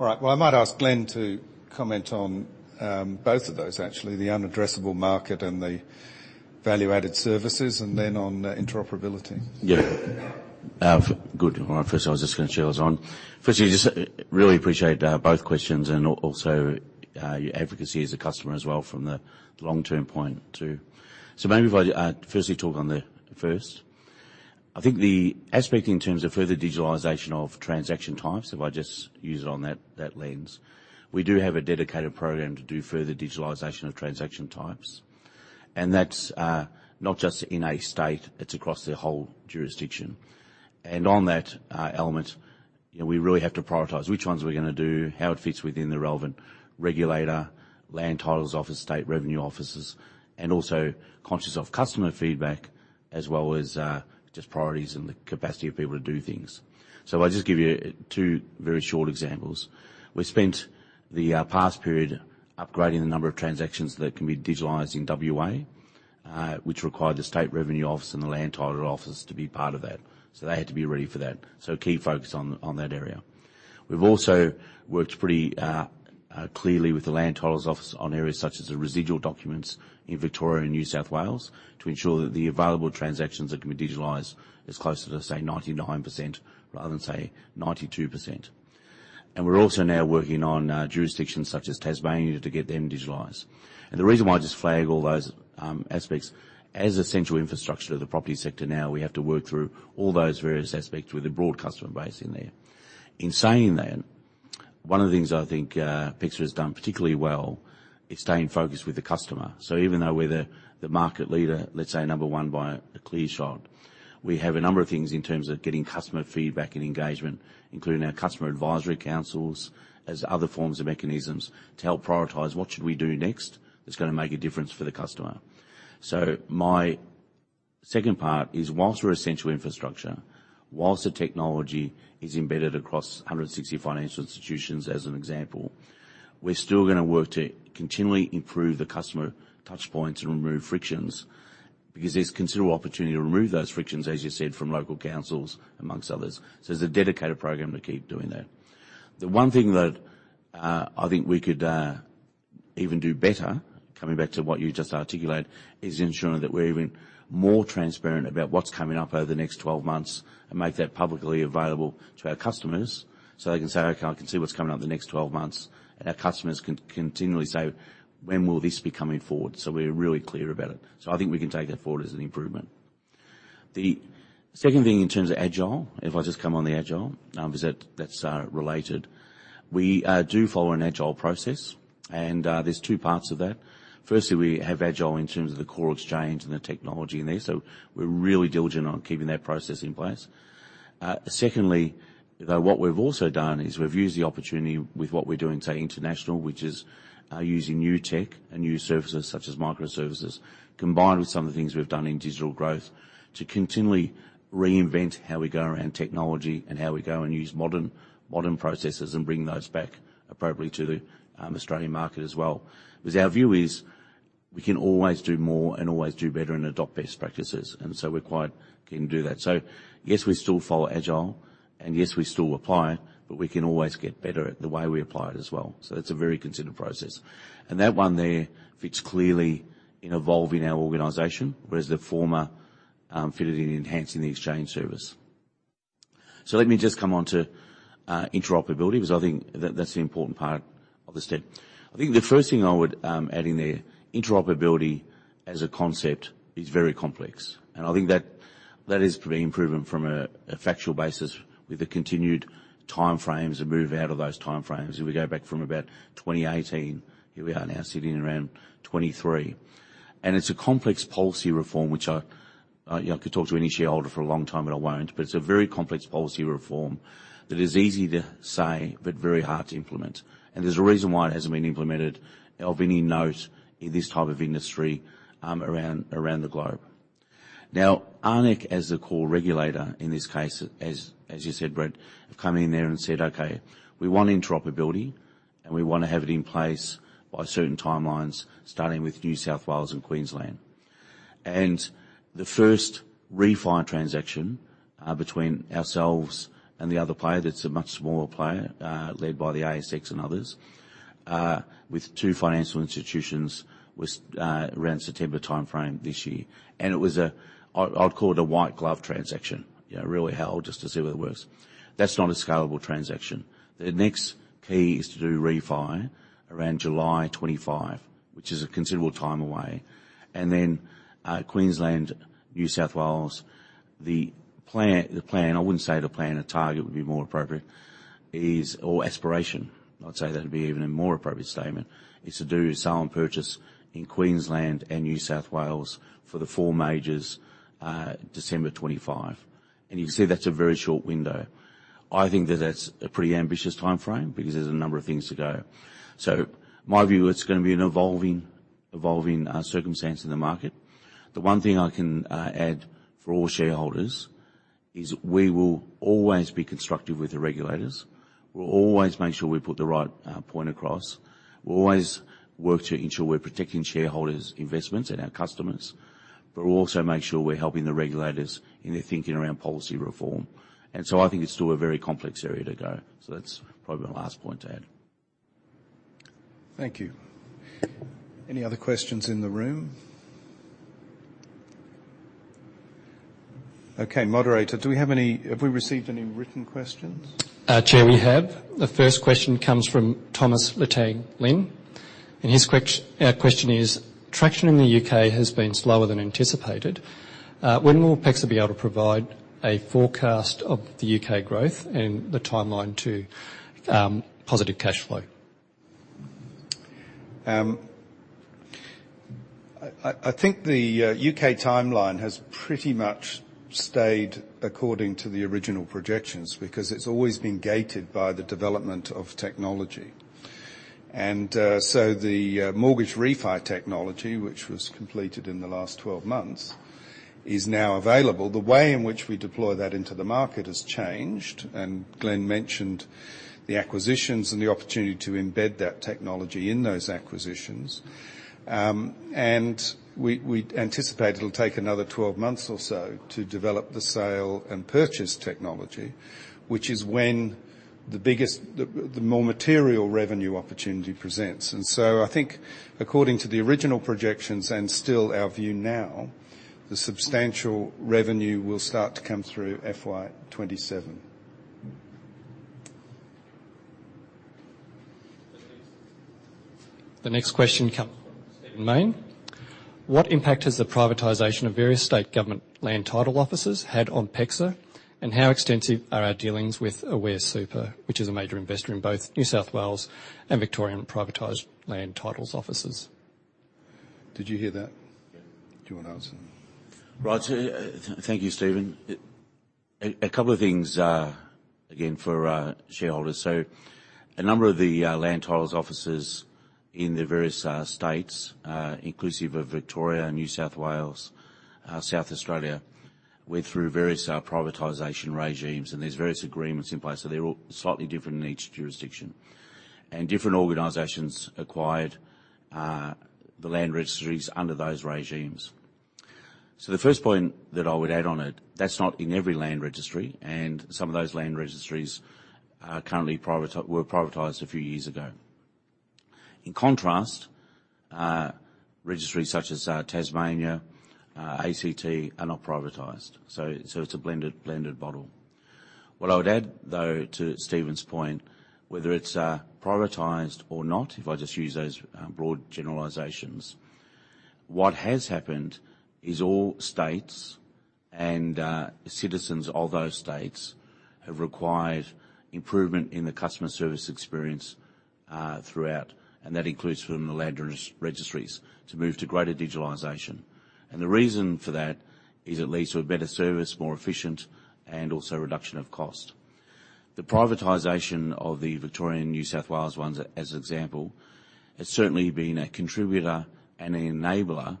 All right. Well, I might ask Glenn to comment on both of those, actually, the unaddressable market and value-added services, and then on interoperability. Yeah. Good. Well, first, I was just going to share those on. Firstly, just, really appreciate both questions and also your advocacy as a customer as well from the long-term point of view. So maybe if I firstly talk on the first. I think the aspect in terms of further digitalization of transaction types, if I just use it on that lens, we do have a dedicated program to do further digitalization of transaction types, and that's not just in a state, it's across the whole jurisdiction. And on that element, you know, we really have to prioritize which ones we're gonna do, how it fits within the relevant regulator, land titles office, state revenue offices, and also conscious of customer feedback, as well as just priorities and the capacity of people to do things. So I'll just give you two very short examples. We spent the past period upgrading the number of transactions that can be digitalized in WA, which required the State Revenue Office and the Land Title Office to be part of that. So they had to be ready for that. So a key focus on that area. We've also worked pretty clearly with the Land Titles Office on areas such as the residual documents in Victoria and New South Wales, to ensure that the available transactions that can be digitalized as close to, say, 99% rather than, say, 92%. And we're also now working on jurisdictions such as Tasmania to get them digitalized. And the reason why I just flag all those aspects as essential infrastructure to the property sector. Now, we have to work through all those various aspects with a broad customer base in there. In saying that, one of the things I think, PEXA has done particularly well is staying focused with the customer. So even though we're the, the market leader, let's say number one by a clear shot, we have a number of things in terms of getting customer feedback and engagement, including our customer advisory councils, as other forms of mechanisms to help prioritize what should we do next that's gonna make a difference for the customer. So my second part is, while we're essential infrastructure, while the technology is embedded across 160 financial institutions, as an example, we're still gonna work to continually improve the customer touch points and remove frictions, because there's considerable opportunity to remove those frictions, as you said, from local councils, among others. So there's a dedicated program to keep doing that. The one thing that, I think we could, even do better, coming back to what you just articulate, is ensuring that we're even more transparent about what's coming up over the next 12 months and make that publicly available to our customers, so they can say, "Okay, I can see what's coming up in the next 12 months." And our customers can continually say: When will this be coming forward? So we're really clear about it. So I think we can take that forward as an improvement. The second thing in terms of agile, if I just come on the agile, is that, that's related. We do follow an agile process, and there's two parts of that. Firstly, we have agile in terms of the core exchange and the technology in there, so we're really diligent on keeping that process in place. Secondly, though, what we've also done is we've used the opportunity with what we're doing, say, international, which is using new tech and new services such as microservices, combined with some of the things we've done in digital growth, to continually reinvent how we go around technology and how we go and use modern, modern processes and bring those back appropriately to the Australian market as well. Because our view is we can always do more and always do better and adopt best practices, and so we're quite keen to do that. So yes, we still follow agile, and yes, we still apply it, but we can always get better at the way we apply it as well. So it's a very considered process. And that one there fits clearly in evolving our organization, whereas the former fitted in enhancing the exchange service. So let me just come on to interoperability, because I think that that's the important part of the step. I think the first thing I would add in there, interoperability as a concept is very complex, and I think that that is being proven from a factual basis with the continued time frames and move out of those time frames. If we go back from about 2018, here we are now sitting around 2023. It's a complex policy reform, which I could talk to any shareholder for a long time, but I won't. It's a very complex policy reform that is easy to say, but very hard to implement. There's a reason why it hasn't been implemented of any note in this type of industry around the globe. Now, ARNECC, as the core regulator in this case, as you said, Brent, have come in there and said, "Okay, we want interoperability, and we want to have it in place by certain timelines, starting with New South Wales and Queensland." And the first refi transaction between ourselves and the other player, that's a much smaller player, led by the ASX and others, with two financial institutions, was around September timeframe this year. And it was a, I'd call it a white glove transaction. You know, really held just to see whether it works. That's not a scalable transaction. The next key is to do refi around July 2025, which is a considerable time away. And then, Queensland, New South Wales, the plan, I wouldn't say the plan, a target would be more appropriate, is or aspiration. I'd say that would be even a more appropriate statement, is to do sale and purchase in Queensland and New South Wales for the four majors, December 2025. You can see that's a very short window. I think that's a pretty ambitious timeframe because there's a number of things to go. So my view, it's gonna be an evolving circumstance in the market. The one thing I can add for all shareholders is we will always be constructive with the regulators. We'll always make sure we put the right point across. We'll always work to ensure we're protecting shareholders' investments and our customers, but we'll also make sure we're helping the regulators in their thinking around policy reform. So I think it's still a very complex area to go. That's probably my last point to add. Thank you. Any other questions in the room? Okay, moderator, have we received any written questions? Chair, we have. The first question comes from Thomas Letang Ling, and his question is: "Traction in the U.K. has been slower than anticipated. When will PEXA be able to provide a forecast of the U.K. growth and the timeline to positive cash flow? I think the U.K. timeline has pretty much stayed according to the original projections, because it's always been gated by the development of technology. And so the mortgage refi technology, which was completed in the last 12 months, is now available. The way in which we deploy that into the market has changed, and Glenn mentioned the acquisitions and the opportunity to embed that technology in those acquisitions. And we anticipate it'll take another 12 months or so to develop the sale and purchase technology, which is when the biggest, the more material revenue opportunity presents. And so I think according to the original projections and still our view now, the substantial revenue will start to come through FY 2027. The next question comes from Stephen Lane: "What impact has the privatization of various state government land title offices had on PEXA? And how extensive are our dealings with Aware Super, which is a major investor in both New South Wales and Victorian privatized land titles offices? Did you hear that? Yeah. Do you want to answer? Right. Thank you, Stephen. A couple of things, again, for shareholders. So a number of the land titles offices in the various states, inclusive of Victoria, New South Wales, South Australia, went through various privatization regimes, and there's various agreements in place, so they're all slightly different in each jurisdiction. And different organizations acquired the land registries under those regimes. So the first point that I would add on it, that's not in every land registry, and some of those land registries are currently privatized, were privatized a few years ago. In contrast, registries such as Tasmania, ICT, are not privatized, so it's a blended bottle. What I would add, though, to Stephen's point, whether it's privatized or not, if I just use those broad generalizations, what has happened is all states and citizens of those states have required improvement in the customer service experience throughout, and that includes from the land registries to move to greater digitalization. And the reason for that is it leads to a better service, more efficient, and also reduction of cost. The privatization of the Victorian and New South Wales ones, as an example, has certainly been a contributor and an enabler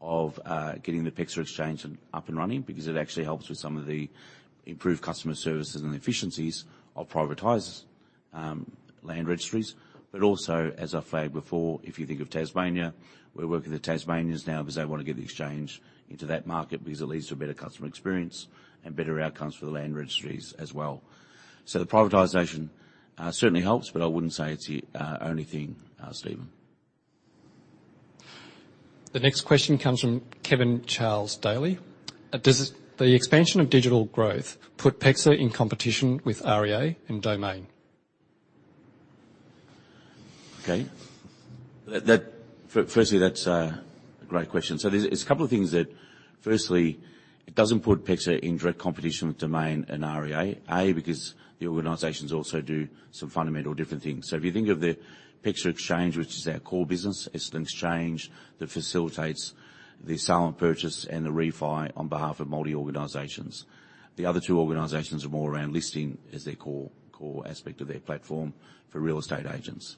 of getting the PEXA Exchange up and running, because it actually helps with some of the improved customer services and efficiencies of privatized land registries. But also, as I've said before, if you think of Tasmania, we're working with the Tasmanians now because they want to get the exchange into that market, because it leads to a better customer experience and better outcomes for the land registries as well. So the privatization certainly helps, but I wouldn't say it's the only thing, Stephen. The next question comes from Kevin Charles Daley: "Does the expansion of digital growth put PEXA in competition with REA and Domain? Okay. That's a great question. So it's a couple of things that firstly, it doesn't put PEXA in direct competition with Domain and REA. Because the organizations also do some fundamental different things. So if you think of the PEXA Exchange, which is our core business, it's an exchange that facilitates the sale and purchase and the refi on behalf of multi organizations. The other two organizations are more around listing as their core aspect of their platform for real estate agents.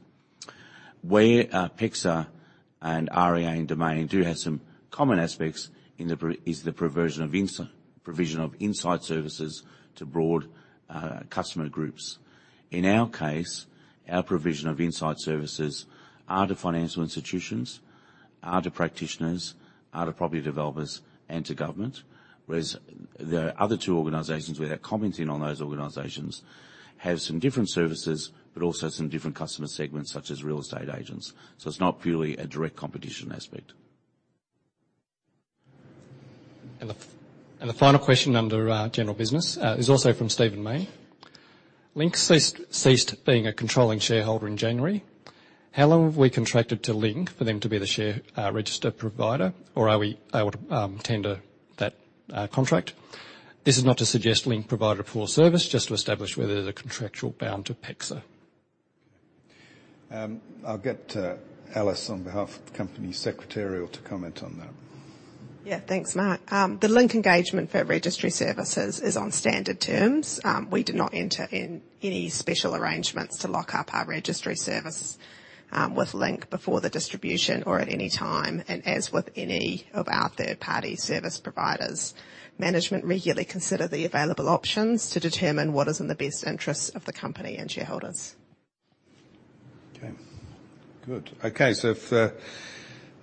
Where PEXA and REA and Domain do have some common aspects in the provision of insight services to broad customer groups. In our case, our provision of insight services are to financial institutions, are to practitioners, are to property developers, and to government, whereas the other two organizations, without commenting on those organizations, have some different services, but also some different customer segments, such as real estate agents. So it's not purely a direct competition aspect. The final question under general business is also from Stephen Lane: "Link ceased being a controlling shareholder in January. How long have we contracted to Link for them to be the share registry provider, or are we able to tender that contract? This is not to suggest Link provided a poor service, just to establish whether they're contractually bound to PEXA. I'll get Alice, on behalf of the company secretarial, to comment on that. Yeah, thanks, Mark. The Link engagement for registry services is on standard terms. We did not enter in any special arrangements to lock up our registry services with Link before the distribution or at any time, and as with any of our third-party service providers. Management regularly consider the available options to determine what is in the best interest of the company and shareholders. Okay, good. Okay, so if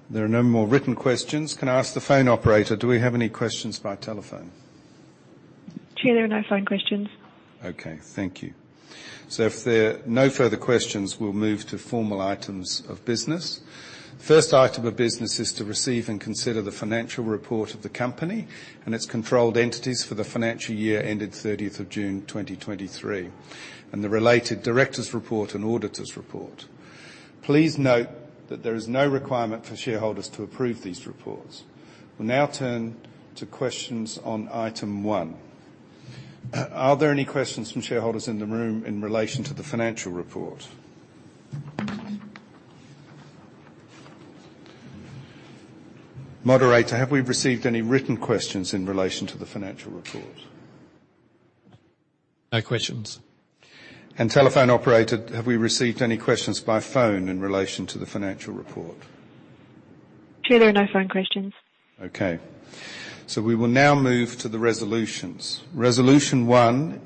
there are no more written questions, can I ask the phone operator, do we have any questions by telephone? Chair, there are no phone questions. Okay, thank you. So if there are no further questions, we'll move to formal items of business. First item of business is to receive and consider the financial report of the company and its controlled entities for the financial year ended thirtieth of June 2023, and the related directors' report and auditors' report. Please note that there is no requirement for shareholders to approve these reports. We'll now turn to questions on item one. Are there any questions from shareholders in the room in relation to the financial report? Moderator, have we received any written questions in relation to the financial report? No questions. Telephone operator, have we received any questions by phone in relation to the financial report? Chair, there are no phone questions. Okay. We will now move to the resolutions. Resolution one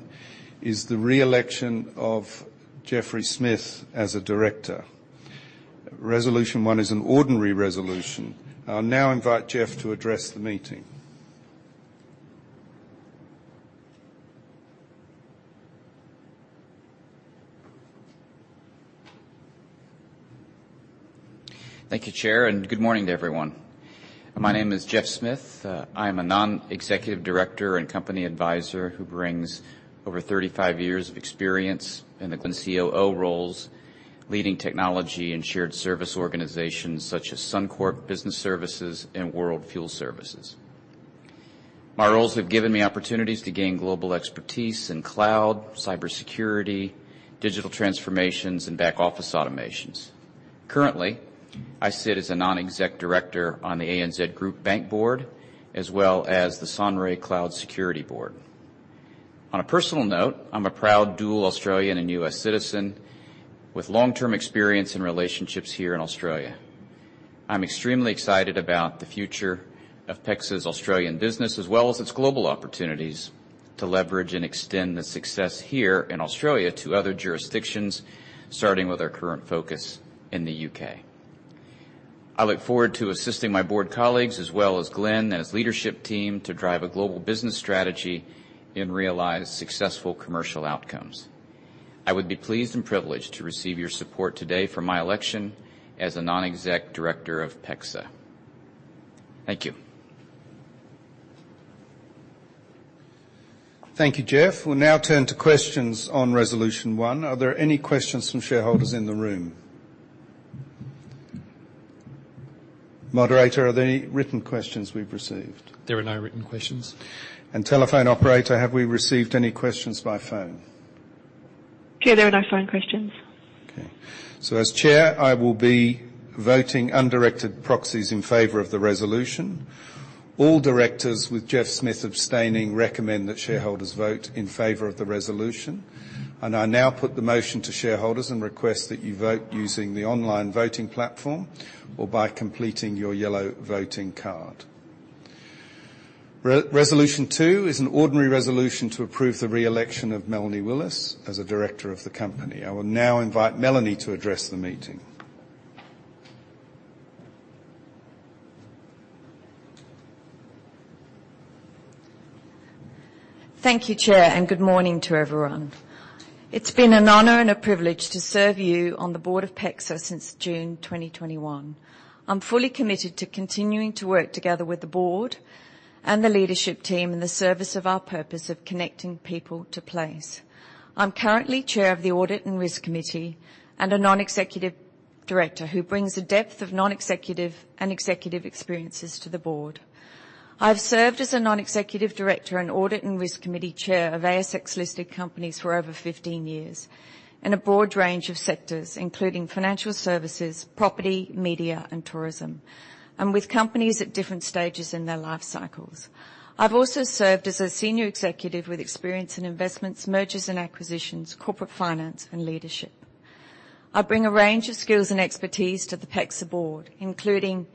is the re-election of Jeffrey Smith as a director. Resolution one is an ordinary resolution. I'll now invite Jeff to address the meeting. Thank you, Chair, and good morning to everyone. My name is Jeff Smith. I'm a non-executive director and company advisor who brings over 35 years of experience in the COO roles, leading technology and shared service organizations such as Suncorp Business Services and World Fuel Services. My roles have given me opportunities to gain global expertise in cloud, cybersecurity, digital transformations, and back office automations. Currently, I sit as a non-exec director on the ANZ Group Bank Board, as well as the Sonrai Cloud Security Board. On a personal note, I'm a proud dual Australian and U.S. citizen with long-term experience and relationships here in Australia. I'm extremely excited about the future of PEXA's Australian business, as well as its global opportunities to leverage and extend the success here in Australia to other jurisdictions, starting with our current focus in the U.K. I look forward to assisting my board colleagues, as well as Glenn and his leadership team, to drive a global business strategy and realize successful commercial outcomes. I would be pleased and privileged to receive your support today for my election as a non-exec director of PEXA. Thank you. Thank you, Jeff. We'll now turn to questions on resolution one. Are there any questions from shareholders in the room? Moderator, are there any written questions we've received? There are no written questions. Telephone operator, have we received any questions by phone? Chair, there are no phone questions. Okay. So as Chair, I will be voting undirected proxies in favor of the resolution. All directors, with Jeff Smith abstaining, recommend that shareholders vote in favor of the resolution, and I now put the motion to shareholders and request that you vote using the online voting platform or by completing your yellow voting card. Resolution two is an ordinary resolution to approve the re-election of Melanie Willis as a director of the company. I will now invite Melanie to address the meeting. Thank you, Chair, and good morning to everyone. It's been an honor and a privilege to serve you on the board of PEXA since June 2021. I'm fully committed to continuing to work together with the board and the leadership team in the service of our purpose of connecting people to place. I'm currently Chair of the Audit and Risk Committee and a Non-Executive Director who brings a depth of non-executive and executive experiences to the board. I've served as a non-executive director and Audit and Risk Committee Chair of ASX-listed companies for over 15 years in a broad range of sectors, including financial services, property, media, and tourism, and with companies at different stages in their life cycles. I've also served as a senior executive with experience in investments, mergers and acquisitions, corporate finance, and leadership. I bring a range of skills and expertise to the PEXA board, including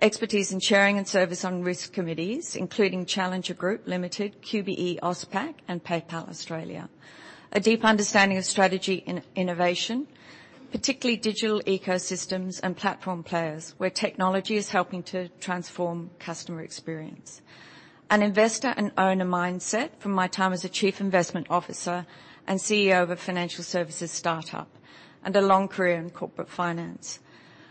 expertise in chairing and service on risk committees, including Challenger Group Limited, QBE AusPac, and PayPal Australia. A deep understanding of strategy and innovation, particularly digital ecosystems and platform players, where technology is helping to transform customer experience. An investor and owner mindset from my time as a chief investment officer and CEO of a financial services startup, and a long career in corporate finance.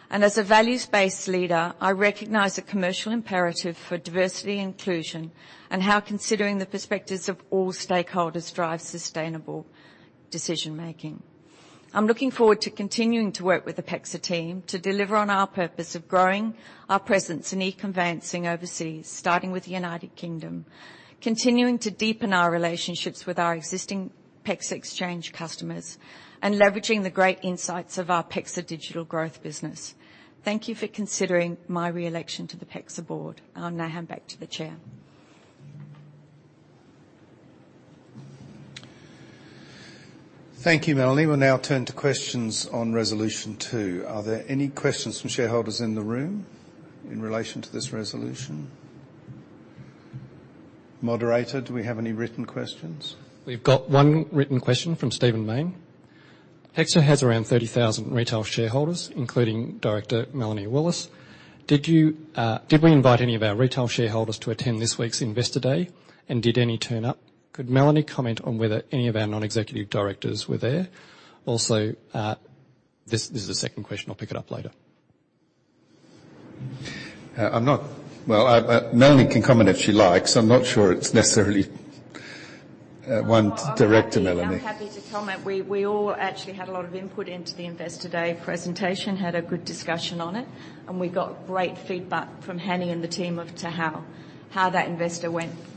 As a values-based leader, I recognize the commercial imperative for diversity and inclusion and how considering the perspectives of all stakeholders drives sustainable decision-making. I'm looking forward to continuing to work with the PEXA team to deliver on our purpose of growing our presence in e-Conveyancing overseas, starting with the United Kingdom, continuing to deepen our relationships with our existing PEXA Exchange customers, and leveraging the great insights of our PEXA Digital Growth business. Thank you for considering my re-election to the PEXA board. I'll now hand back to the Chair. Thank you, Melanie. We'll now turn to questions on resolution. Are there any questions from shareholders in the room in relation to this resolution? Moderator, do we have any written questions? We've got one written question from Stephen Lane. PEXA has around 30,000 retail shareholders, including director Melanie Willis. Did you, did we invite any of our retail shareholders to attend this week's Investor Day, and did any turn up? Could Melanie comment on whether any of our non-executive directors were there? Also, this is the second question. I'll pick it up later. Well, Melanie can comment if she likes. I'm not sure it's necessarily one to Director Melanie. I'm happy to comment. We all actually had a lot of input into the Investor Day presentation, had a good discussion on it, and we got great feedback from Hany and the team on how that Investor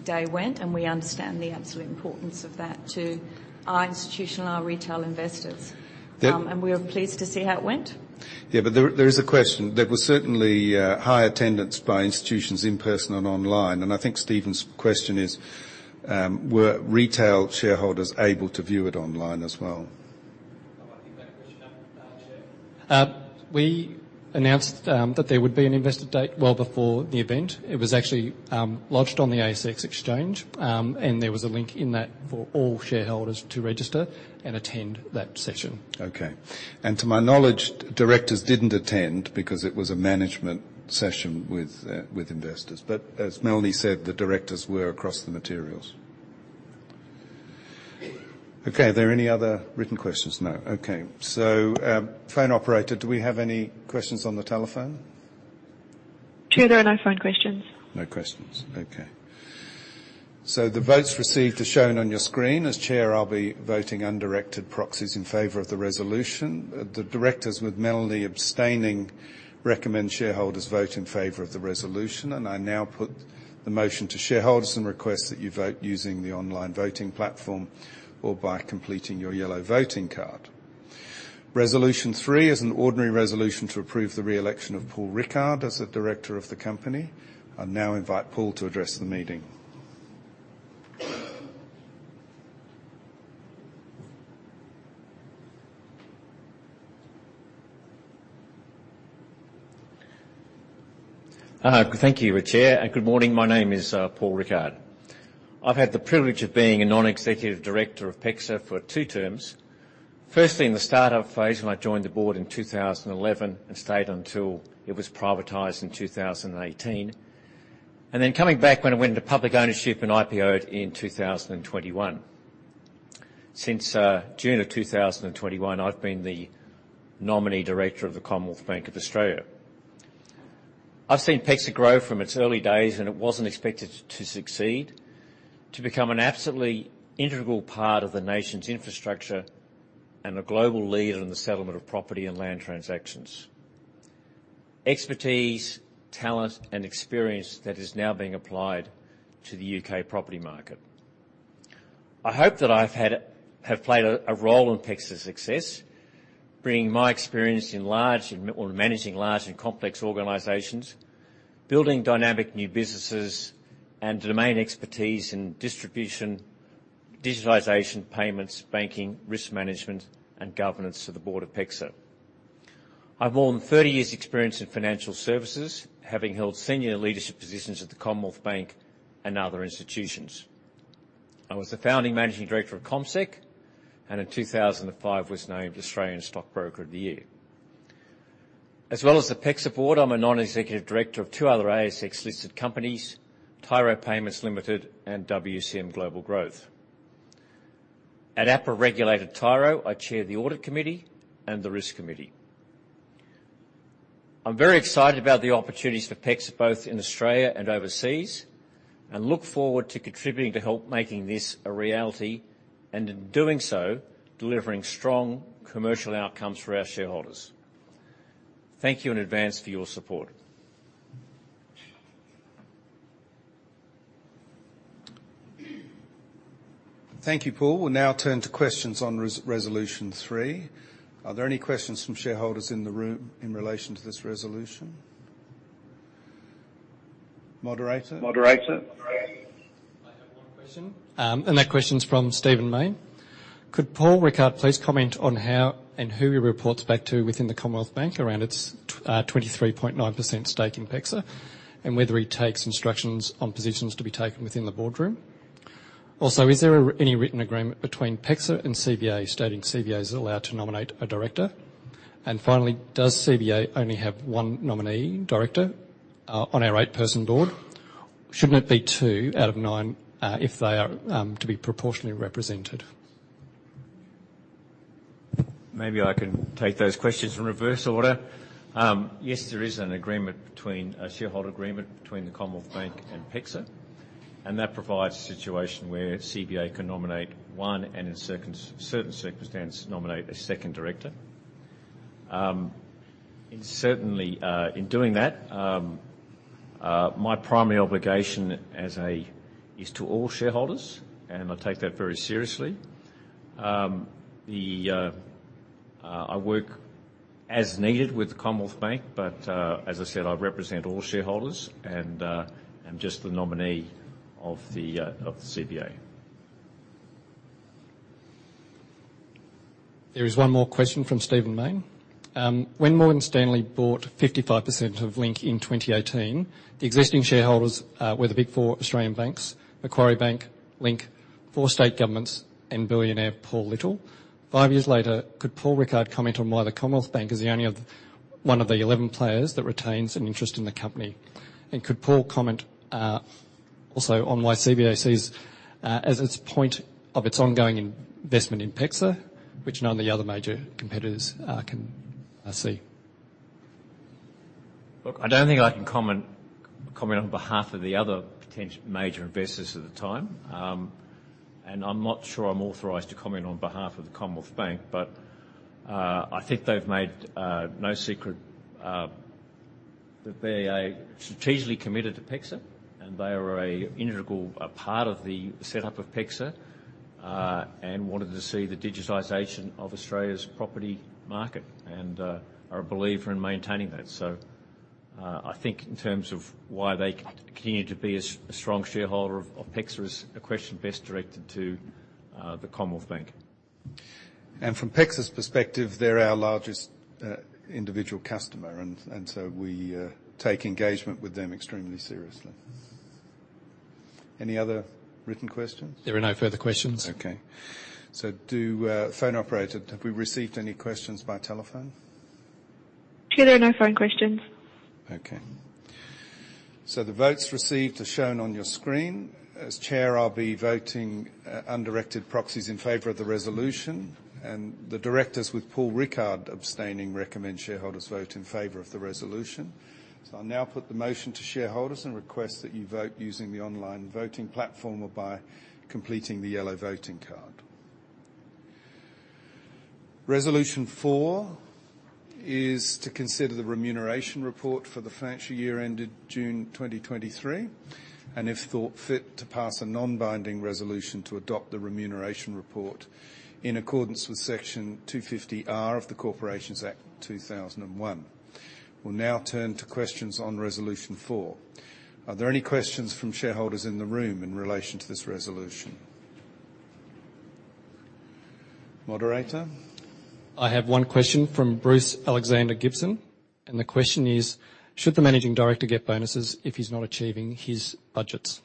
Day went, and we understand the absolute importance of that to our institutional and our retail investors. Yep. And we were pleased to see how it went. Yeah, but there is a question. There was certainly high attendance by institutions in person and online, and I think Stephen's question is: were retail shareholders able to view it online as well? We announced that there would be an Investor Day well before the event. It was actually lodged on the ASX Exchange, and there was a link in that for all shareholders to register and attend that session. Okay. And to my knowledge, directors didn't attend because it was a management session with, with investors. But as Melanie said, the directors were across the materials. Okay. Are there any other written questions? No. Okay. So, phone operator, do we have any questions on the telephone? Chair, there are no phone questions. No questions. Okay. So the votes received are shown on your screen. As chair, I'll be voting undirected proxies in favor of the resolution. The directors, with Melanie abstaining, recommend shareholders vote in favor of the resolution. And I now put the motion to shareholders and request that you vote using the online voting platform or by completing your yellow voting card. Resolution three is an ordinary resolution to approve the re-election of Paul Rickard as a director of the company. I now invite Paul to address the meeting. Thank you, Chair, and good morning. My name is, Paul Rickard. I've had the privilege of being a non-executive director of PEXA for two terms. Firstly, in the start-up phase, when I joined the board in 2011 and stayed until it was privatized in 2018, and then coming back when it went into public ownership and IPO'd in 2021. Since, June of 2021, I've been the nominee director of the Commonwealth Bank of Australia. I've seen PEXA grow from its early days, and it wasn't expected to succeed, to become an absolutely integral part of the nation's infrastructure and a global leader in the settlement of property and land transactions. Expertise, talent, and experience that is now being applied to the U.K. property market. I hope that I've had a, have played a role in PEXA's success, bringing my experience in managing large and complex organizations, building dynamic new businesses, and domain expertise in distribution, digitalization, payments, banking, risk management, and governance to the board of PEXA. I've more than 30 years' experience in financial services, having held senior leadership positions at the Commonwealth Bank and other institutions. I was the founding managing director of CommSec, and in 2005 was named Australian Stockbroker of the Year. As well as the PEXA board, I'm a non-executive director of two other ASX-listed companies, Tyro Payments Limited and WCM Global Growth. At APRA-regulated Tyro, I chair the audit committee and the risk committee. I'm very excited about the opportunities for PEXA, both in Australia and overseas, and look forward to contributing to help making this a reality, and in doing so, delivering strong commercial outcomes for our shareholders. Thank you in advance for your support. Thank you, Paul. We'll now turn to questions on resolution three. Are there any questions from shareholders in the room in relation to this resolution? Moderator? Moderator. I have one question, and that question is from Stephen Lane. Could Paul Rickard please comment on how and who he reports back to within the Commonwealth Bank around its 23.9% stake in PEXA, and whether he takes instructions on positions to be taken within the boardroom? Also, is there any written agreement between PEXA and CBA, stating CBA is allowed to nominate a director? And finally, does CBA only have one nominee director on our eight-person board? Shouldn't it be two out of nine if they are to be proportionally represented? Maybe I can take those questions in reverse order. Yes, there is an agreement between a shareholder agreement between the Commonwealth Bank and PEXA, and that provides a situation where CBA can nominate one, and in certain circumstances, nominate a second director. And certainly, in doing that, my primary obligation as a, is to all shareholders, and I take that very seriously. The, I work as needed with the Commonwealth Bank, but, as I said, I represent all shareholders and, am just the nominee of the, of the CBA. There is one more question from Stephen Lane. When Morgan Stanley bought 55% of Link in 2018, the existing shareholders were the Big Four Australian banks, Macquarie Bank, Link, 4 state governments, and billionaire Paul Little. Five years later, could Paul Rickard comment on why the Commonwealth Bank is the only one of the 11 players that retains an interest in the company? And could Paul comment also on why CBA sees as its point of its ongoing investment in PEXA, which none of the other major competitors can see? Look, I don't think I can comment on behalf of the other major investors at the time. And I'm not sure I'm authorized to comment on behalf of the Commonwealth Bank, but I think they've made no secret that they are strategically committed to PEXA, and they are an integral part of the setup of PEXA. And wanted to see the digitization of Australia's property market, and are a believer in maintaining that. So I think in terms of why they continue to be a strong shareholder of PEXA is a question best directed to the Commonwealth Bank. From PEXA's perspective, they're our largest individual customer, and, and so we take engagement with them extremely seriously. Any other written questions? There are no further questions. Okay. So, phone operator, have we received any questions by telephone? Chair, there are no phone questions. Okay. So the votes received are shown on your screen. As chair, I'll be voting undirected proxies in favor of the resolution, and the directors, with Paul Rickard abstaining, recommend shareholders vote in favor of the resolution. So I'll now put the motion to shareholders and request that you vote using the online voting platform or by completing the yellow voting card. Resolution four is to consider the remuneration report for the financial year ended June 2023, and if thought fit, to pass a non-binding resolution to adopt the remuneration report in accordance with Section 250R of the Corporations Act 2001. We'll now turn to questions on resolution four. Are there any questions from shareholders in the room in relation to this resolution? Moderator? I have one question from Bruce Alexander Gibson, and the question is: "Should the managing director get bonuses if he's not achieving his budgets?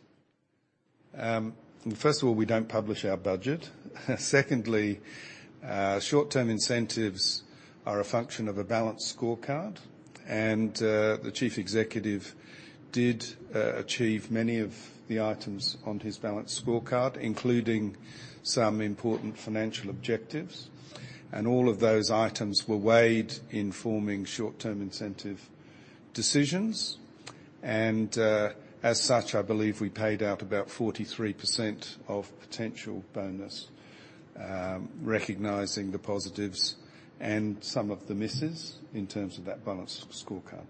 First of all, we don't publish our budget. Secondly, short-term incentives are a function of a balanced scorecard, and the Chief Executive did achieve many of the items on his balanced scorecard, including some important financial objectives. And all of those items were weighed in forming short-term incentive decisions. And, as such, I believe we paid out about 43% of potential bonus, recognizing the positives and some of the misses in terms of that balanced scorecard.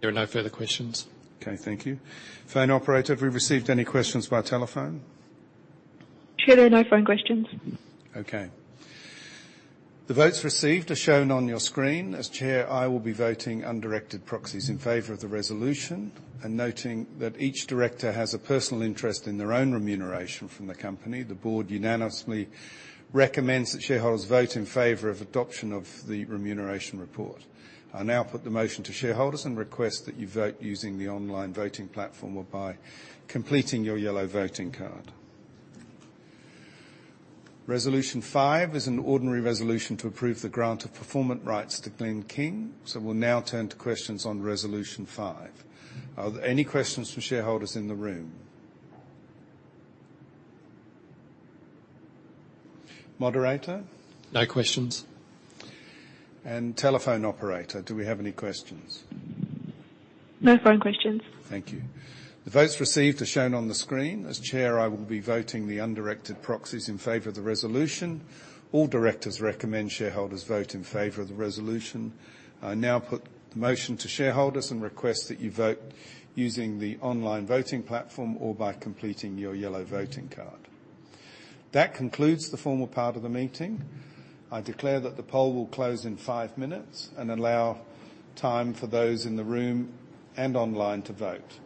There are no further questions. Okay, thank you. Phone operator, have we received any questions via telephone? Chair, there are no phone questions. Okay. The votes received are shown on your screen. As Chair, I will be voting undirected proxies in favor of the resolution. Noting that each director has a personal interest in their own remuneration from the company, the board unanimously recommends that shareholders vote in favor of adoption of the remuneration report. I now put the motion to shareholders and request that you vote using the online voting platform or by completing your yellow voting card. Resolution five is an ordinary resolution to approve the grant of performance rights to Glenn King. So we'll now turn to questions on resolution five. Are there any questions from shareholders in the room? Moderator? No questions. Telephone operator, do we have any questions? No phone questions. Thank you. The votes received are shown on the screen. As Chair, I will be voting the undirected proxies in favor of the resolution. All directors recommend shareholders vote in favor of the resolution. I now put the motion to shareholders and request that you vote using the online voting platform or by completing your yellow voting card. That concludes the formal part of the meeting. I declare that the poll will close in five minutes and allow time for those in the room and online to vote.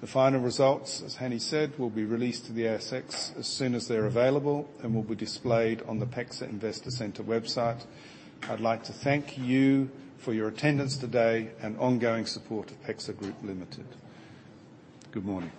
The final results, as Hany said, will be released to the ASX as soon as they're available and will be displayed on the PEXA Investor Center website. I'd like to thank you for your attendance today and ongoing support of PEXA Group Limited. Good morning.